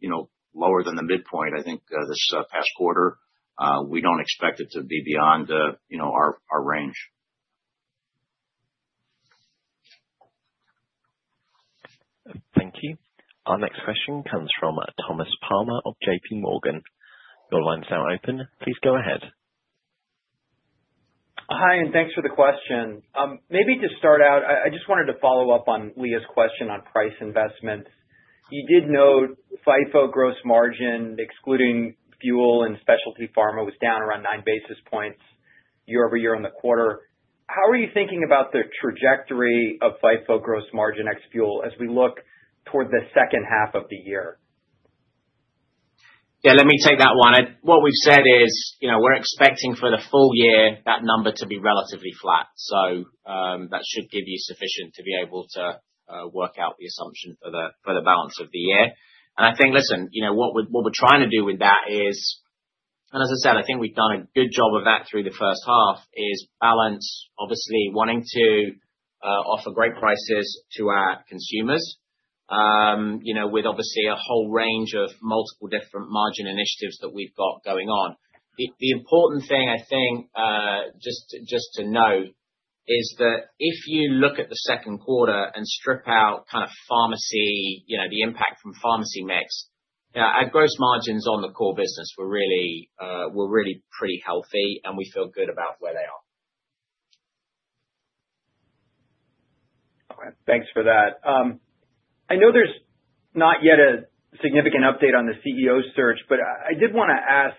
lower than the midpoint, I think, this past quarter. We don't expect it to be beyond our range. Thank you. Our next question comes from Thomas Palmer of JPMorgan. Your line is now open. Please go ahead. Hi, and thanks for the question. Maybe to start out, I just wanted to follow up on Leah's question on price investments. You did note FIFO gross margin, excluding fuel and specialty pharma, was down around nine basis points year-over-year in the quarter. How are you thinking about the trajectory of FIFO gross margin excluding fuel as we look toward the second half of the year? Yeah. Let me take that one. What we've said is we're expecting for the full year that number to be relatively flat. So that should give you sufficient to be able to work out the assumption for the balance of the year. And I think, listen, what we're trying to do with that is, and as I said, I think we've done a good job of that through the first half, is balance, obviously wanting to offer great prices to our consumers with, obviously, a whole range of multiple different margin initiatives that we've got going on. The important thing, I think, just to note is that if you look at the second quarter and strip out kind of pharmacy, the impact from pharmacy mix, our gross margins on the core business were really pretty healthy, and we feel good about where they are. Thanks for that. I know there's not yet a significant update on the CEO search, but I did want to ask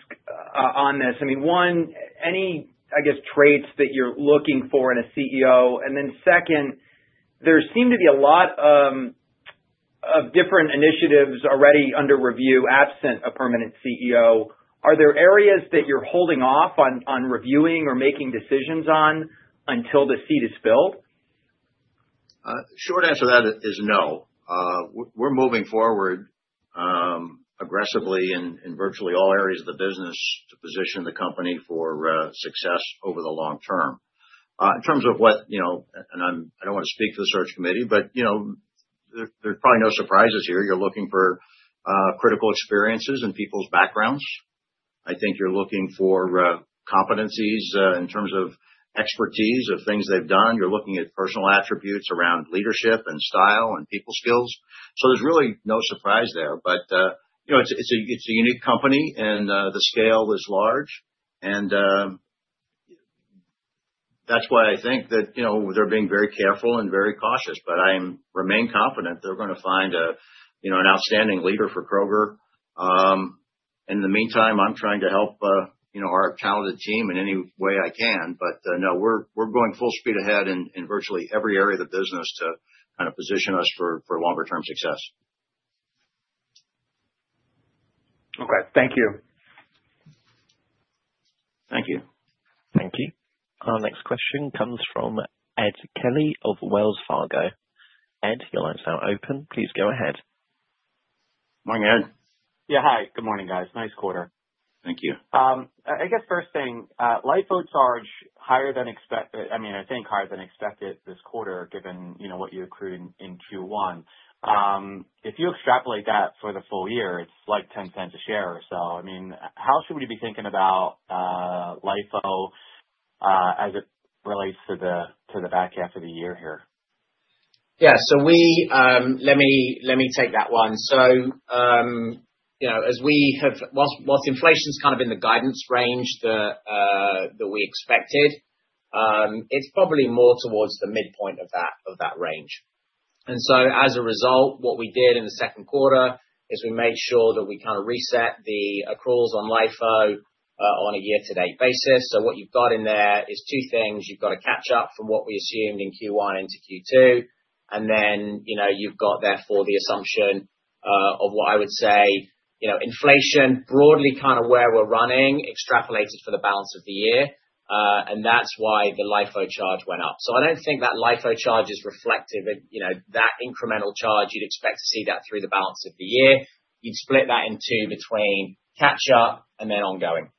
on this. I mean, one, any I guess traits that you're looking for in a CEO? And then second, there seem to be a lot of different initiatives already under review absent a permanent CEO. Are there areas that you're holding off on reviewing or making decisions on until the seat is filled? Short answer to that is no. We're moving forward aggressively in virtually all areas of the business to position the company for success over the long term. In terms of what, and I don't want to speak for the search committee, but there's probably no surprises here. You're looking for critical experiences and people's backgrounds. I think you're looking for competencies in terms of expertise of things they've done. You're looking at personal attributes around leadership and style and people skills. So there's really no surprise there. But it's a unique company, and the scale is large. And that's why I think that they're being very careful and very cautious. But I remain confident they're going to find an outstanding leader for Kroger. And in the meantime, I'm trying to help our talented team in any way I can. But no, we're going full speed ahead in virtually every area of the business to kind of position us for longer-term success. Okay. Thank you. Thank you. Thank you. Our next question comes from Ed Kelly of Wells Fargo. Ed, your line's now open. Please go ahead. Morning, Ed. Yeah. Hi. Good morning, guys. Nice quarter. Thank you. I guess first thing, LIFO charge higher than expected. I mean, I think higher than expected this quarter given what you accrued in Q1. If you extrapolate that for the full year, it's like $0.10 a share or so. I mean, how should we be thinking about LIFO as it relates to the back half of the year here? Yeah. So let me take that one. So as we have, while inflation's kind of in the guidance range that we expected, it's probably more towards the midpoint of that range. And so as a result, what we did in the second quarter is we made sure that we kind of reset the accruals on LIFO on a year-to-date basis. So what you've got in there is two things. You've got a catch-up from what we assumed in Q1 into Q2. And then you've got therefore the assumption of what I would say inflation, broadly kind of where we're running, extrapolated for the balance of the year. And that's why the LIFO charge went up. So I don't think that LIFO charge is reflective of that incremental charge. You'd expect to see that through the balance of the year. You'd split that in two between catch-up and then ongoing.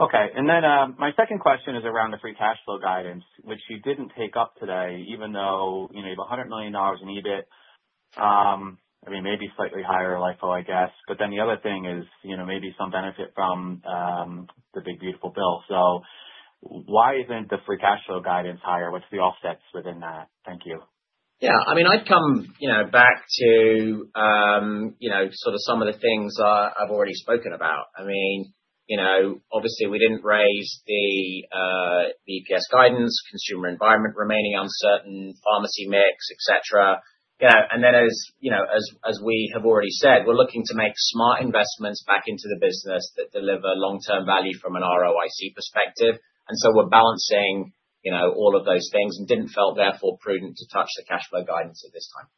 Okay. And then my second question is around the Free Cash Flow guidance, which you didn't take up today, even though you have $100 million in EBIT. I mean, maybe slightly higher LIFO, I guess. But then the other thing is maybe some benefit from the One Big Beautiful Bill. So why isn't the Free Cash Flow guidance higher? What's the offsets within that? Thank you. Yeah. I mean, I'd come back to sort of some of the things I've already spoken about. I mean, obviously, we didn't raise the EPS guidance. Consumer environment remaining uncertain, pharmacy mix, etc. And then as we have already said, we're looking to make smart investments back into the business that deliver long-term value from an ROIC perspective. And so we're balancing all of those things and didn't feel therefore prudent to touch the cash flow guidance at this time.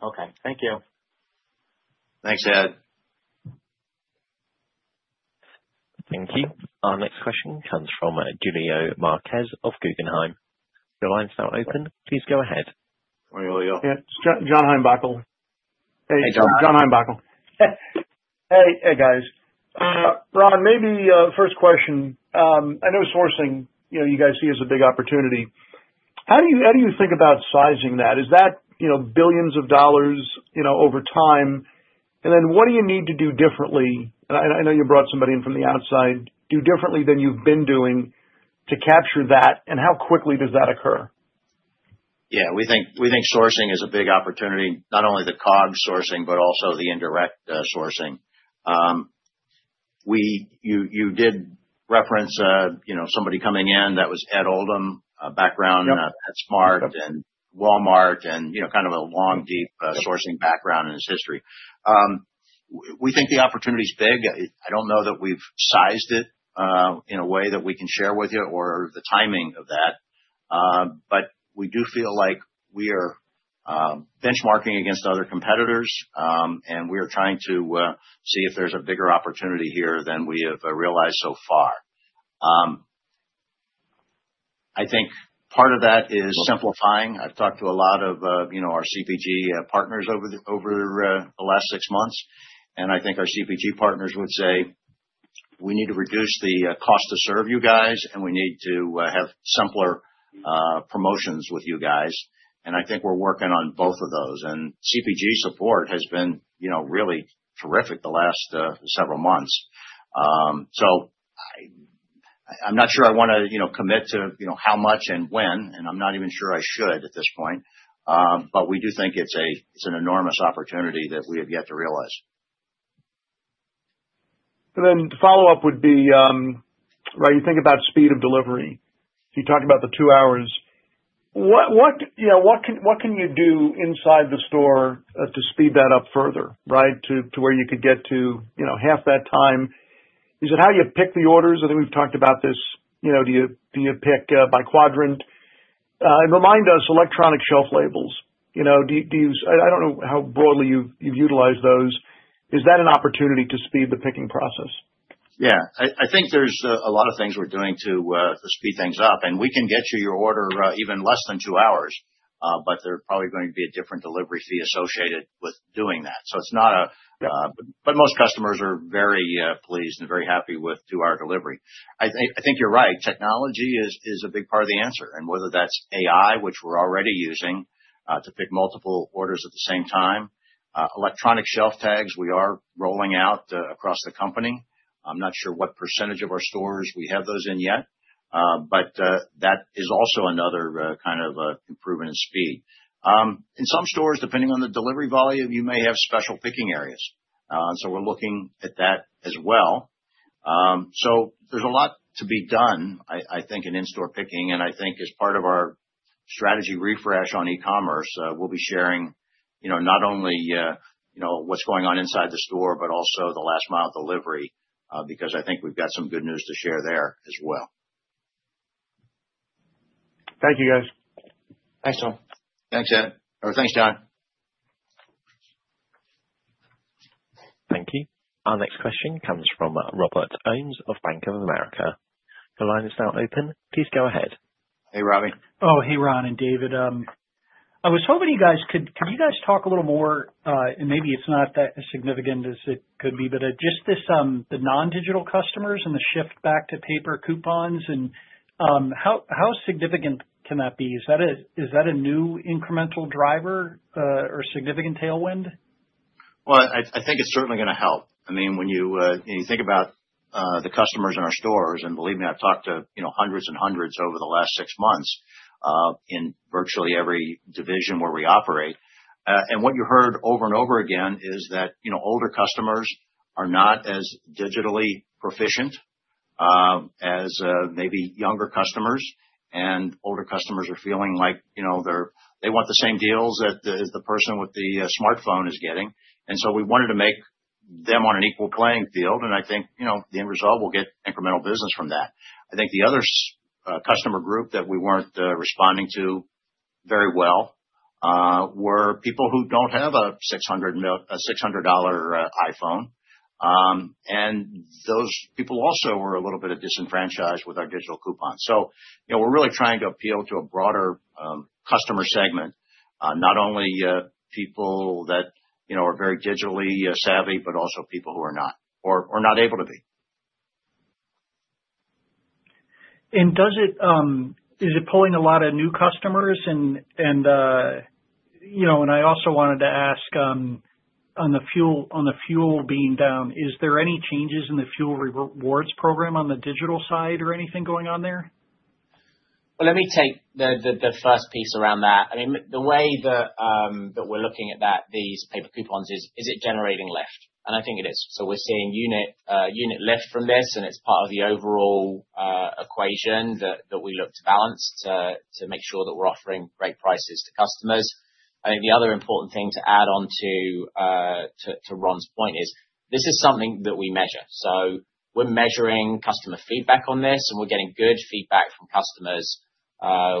Okay. Thank you. Thanks, Ed. Thank you. Our next question comes from Julio Marquez of Guggenheim. Your line's now open. Please go ahead. Morning, Julio. Yeah. John Heinbockel. Hey, John. John Heinbockel. Hey. Hey, guys. Ron, maybe first question. I know sourcing you guys see as a big opportunity. How do you think about sizing that? Is that billions of dollars over time? And then what do you need to do differently? And I know you brought somebody in from the outside. Do differently than you've been doing to capture that? And how quickly does that occur? Yeah. We think sourcing is a big opportunity, not only the COGS sourcing but also the indirect sourcing. You did reference somebody coming in that was Ed Oldham, background at Smart and Walmart and kind of a long, deep sourcing background in his history. We think the opportunity's big. I don't know that we've sized it in a way that we can share with you or the timing of that. But we do feel like we are benchmarking against other competitors, and we are trying to see if there's a bigger opportunity here than we have realized so far. I think part of that is simplifying. I've talked to a lot of our CPG partners over the last six months, and I think our CPG partners would say, "We need to reduce the cost to serve you guys, and we need to have simpler promotions with you guys." And I think we're working on both of those. And CPG support has been really terrific the last several months. So I'm not sure I want to commit to how much and when, and I'm not even sure I should at this point. But we do think it's an enormous opportunity that we have yet to realize. And then the follow-up would be, right, you think about speed of delivery. You talked about the two hours. What can you do inside the store to speed that up further, right, to where you could get to half that time? Is it how you pick the orders? I think we've talked about this. Do you pick by quadrant? And remind us, electronic shelf labels. I don't know how broadly you've utilized those. Is that an opportunity to speed the picking process? Yeah. I think there's a lot of things we're doing to speed things up. And we can get you your order even less than two hours, but there's probably going to be a different delivery fee associated with doing that. So it's not a, but most customers are very pleased and very happy with our delivery. I think you're right. Technology is a big part of the answer. And whether that's AI, which we're already using to pick multiple orders at the same time, electronic shelf labels, we are rolling out across the company. I'm not sure what percentage of our stores we have those in yet, but that is also another kind of improvement in speed. In some stores, depending on the delivery volume, you may have special picking areas. So we're looking at that as well. So there's a lot to be done, I think, in-store picking. And I think as part of our strategy refresh on e-commerce, we'll be sharing not only what's going on inside the store but also the last-mile delivery because I think we've got some good news to share there as well. Thank you, guys. Thanks, John. Thanks, Ed. Or thanks, John. Thank you. Our next question comes from Robert Ohmes of Bank of America. Your line is now open. Please go ahead. Hey, Robert. Oh, hey, Ron and David. I was hoping you guys could you guys talk a little more? And maybe it's not that significant as it could be, but just the non-digital customers and the shift back to paper coupons. How significant can that be? Is that a new incremental driver or significant tailwind? I think it's certainly going to help. I mean, when you think about the customers in our stores, and believe me, I've talked to hundreds and hundreds over the last six months in virtually every division where we operate, and what you heard over and over again is that older customers are not as digitally proficient as maybe younger customers. Older customers are feeling like they want the same deals as the person with the smartphone is getting. We wanted to make them on an equal playing field. I think the end result, we'll get incremental business from that. I think the other customer group that we weren't responding to very well were people who don't have a $600 iPhone. And those people also were a little bit disenfranchised with our digital coupons. So we're really trying to appeal to a broader customer segment, not only people that are very digitally savvy but also people who are not or are not able to be. And is it pulling a lot of new customers? And I also wanted to ask on the fuel being down, is there any changes in the Fuel Rewards program on the digital side or anything going on there? Well, let me take the first piece around that. I mean, the way that we're looking at these paper coupons is, is it generating lift? And I think it is. So we're seeing unit lift from this, and it's part of the overall equation that we look to balance to make sure that we're offering great prices to customers. I think the other important thing to add on to Ron's point is this is something that we measure. So we're measuring customer feedback on this, and we're getting good feedback from customers,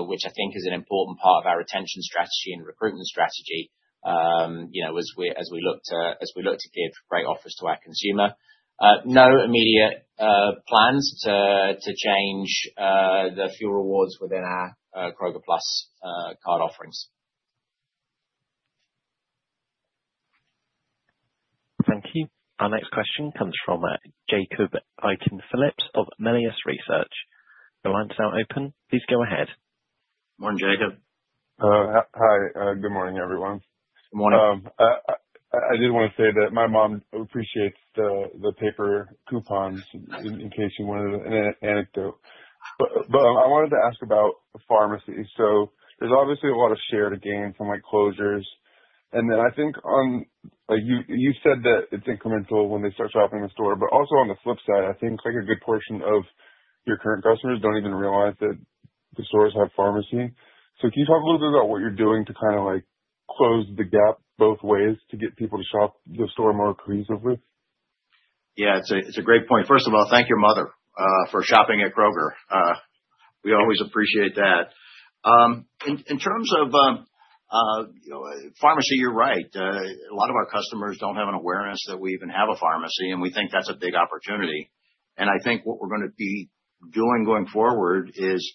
which I think is an important part of our retention strategy and recruitment strategy as we look to give great offers to our consumer. No immediate plans to change the Fuel Rewards within our Kroger Plus card offerings. Thank you. Our next question comes from Jacob Aiken-Phillips of Melius Research. Your line's now open. Please go ahead. Morning, Jacob. Hi. Good morning, everyone. Good morning. I did want to say that my mom appreciates the paper coupons in case you wanted an anecdote. But I wanted to ask about pharmacy. So there's obviously a lot of share to gain from closures. And then I think when you said that it's incremental when they start shopping in the store. But also on the flip side, I think a good portion of your current customers don't even realize that the stores have a pharmacy. So can you talk a little bit about what you're doing to kind of close the gap both ways to get people to shop the store more cohesively? Yeah. It's a great point. First of all, thank your mother for shopping at Kroger. We always appreciate that. In terms of pharmacy, you're right. A lot of our customers don't have an awareness that we even have a pharmacy, and we think that's a big opportunity. I think what we're going to be doing going forward is,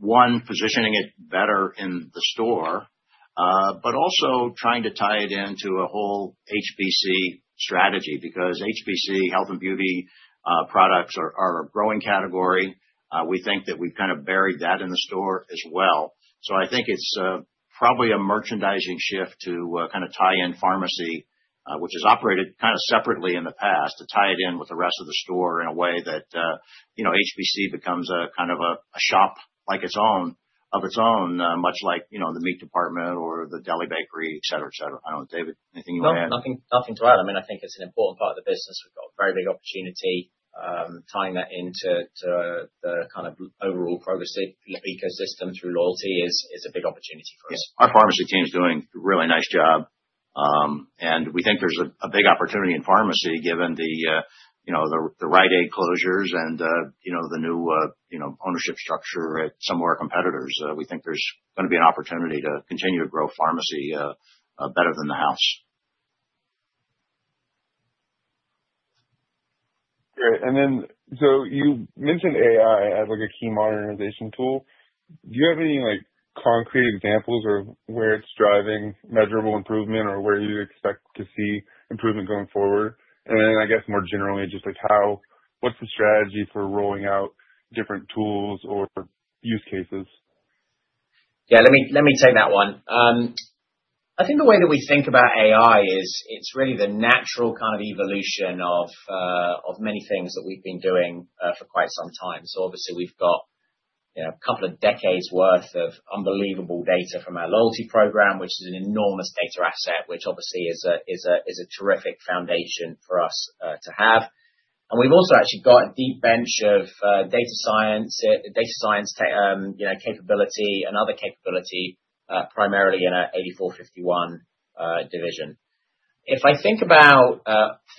one, positioning it better in the store, but also trying to tie it into a whole HBC strategy because HBC, health and beauty products, are a growing category. We think that we've kind of buried that in the store as well. I think it's probably a merchandising shift to kind of tie in pharmacy, which has operated kind of separately in the past, to tie it in with the rest of the store in a way that HBC becomes kind of a shop of its own, much like the meat department or the deli bakery, etc., etc. I don't know, David, anything you want to add? Nothing to add. I mean, I think it's an important part of the business. We've got a very big opportunity tying that into the kind of overall Kroger ecosystem through loyalty. It's a big opportunity for us. Our pharmacy team's doing a really nice job. We think there's a big opportunity in pharmacy given the Rite Aid closures and the new ownership structure at some of our competitors. We think there's going to be an opportunity to continue to grow pharmacy better than the house. Great. You mentioned AI as a key modernization tool. Do you have any concrete examples of where it's driving measurable improvement or where you expect to see improvement going forward? More generally, just what's the strategy for rolling out different tools or use cases? Yeah. Let me take that one. I think the way that we think about AI is it's really the natural kind of evolution of many things that we've been doing for quite some time. So obviously, we've got a couple of decades' worth of unbelievable data from our loyalty program, which is an enormous data asset, which obviously is a terrific foundation for us to have. And we've also actually got a deep bench of data science capability and other capability primarily in our 84.51° division. If I think about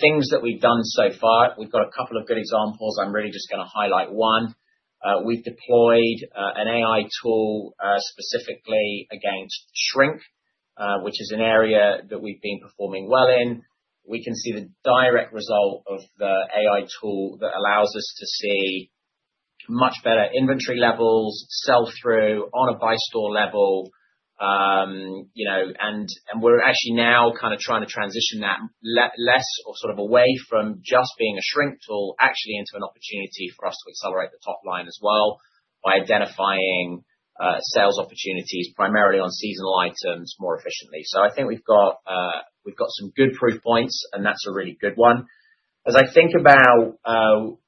things that we've done so far, we've got a couple of good examples. I'm really just going to highlight one. We've deployed an AI tool specifically against shrink, which is an area that we've been performing well in. We can see the direct result of the AI tool that allows us to see much better inventory levels, sell-through on a by-store level. We're actually now kind of trying to transition that less or sort of away from just being a shrink tool actually into an opportunity for us to accelerate the top line as well by identifying sales opportunities primarily on seasonal items more efficiently. So I think we've got some good proof points, and that's a really good one. As I think about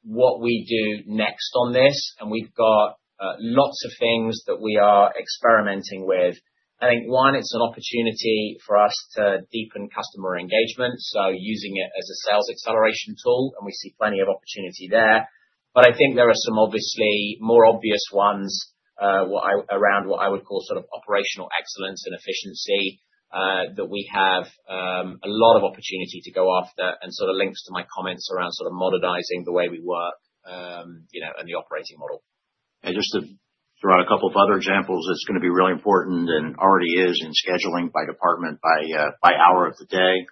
what we do next on this, and we've got lots of things that we are experimenting with. I think, one, it's an opportunity for us to deepen customer engagement. So using it as a sales acceleration tool, and we see plenty of opportunity there. But I think there are some obviously more obvious ones around what I would call sort of operational excellence and efficiency that we have a lot of opportunity to go after and sort of links to my comments around sort of modernizing the way we work and the operating model. And just to throw out a couple of other examples, it's going to be really important and already is in scheduling by department, by hour of the day.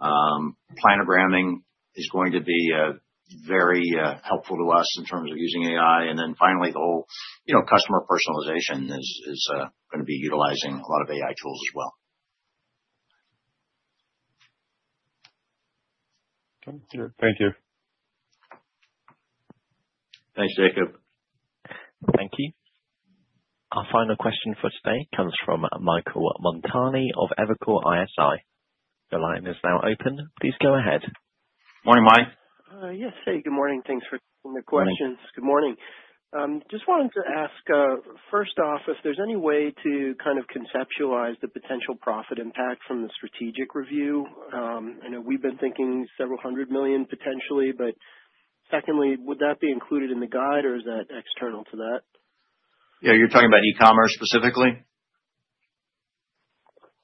Planogramming is going to be very helpful to us in terms of using AI. And then finally, the whole customer personalization is going to be utilizing a lot of AI tools as well. Okay. Thank you. Thanks, Jacob. Thank you. Our final question for today comes from Michael Montani of Evercore ISI. Your line is now open. Please go ahead. Morning, Mike. Yes. Hey, good morning. Thanks for taking the questions. Good morning. Just wanted to ask first off if there's any way to kind of conceptualize the potential profit impact from the strategic review. I know we've been thinking several hundred million potentially, but secondly, would that be included in the guide, or is that external to that? Yeah. You're talking about e-commerce specifically?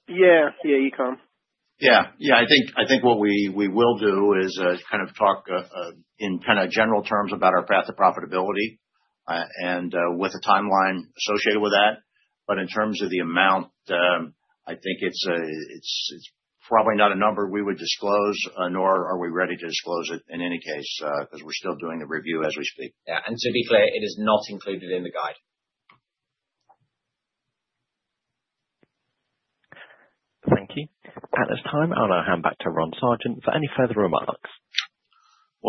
Yeah. Yeah, e-com. Yeah. Yeah. I think what we will do is kind of talk in kind of general terms about our path to profitability and with a timeline associated with that. But in terms of the amount, I think it's probably not a number we would disclose, nor are we ready to disclose it in any case because we're still doing the review as we speak. Yeah. And to be clear, it is not included in the guide. Thank you. At this time, I'll now hand back to Ron Sargent for any further remarks.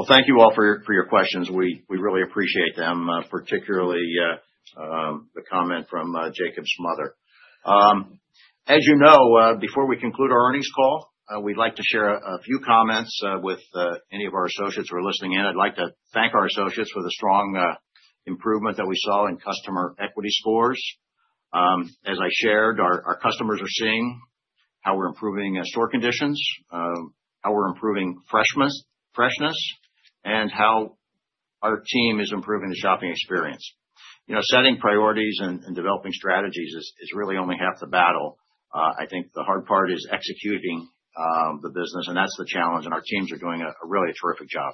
Thank you all for your questions. We really appreciate them, particularly the comment from Jacob's mother. As you know, before we conclude our earnings call, we'd like to share a few comments with any of our associates who are listening in. I'd like to thank our associates for the strong improvement that we saw in customer equity scores. As I shared, our customers are seeing how we're improving store conditions, how we're improving freshness, and how our team is improving the shopping experience. Setting priorities and developing strategies is really only half the battle. I think the hard part is executing the business, and that's the challenge. Our teams are doing a really terrific job.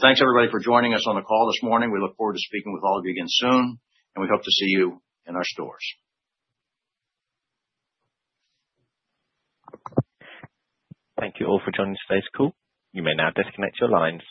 Thanks, everybody, for joining us on the call this morning. We look forward to speaking with all of you again soon, and we hope to see you in our stores. Thank you all for joining today's call. You may now disconnect your lines.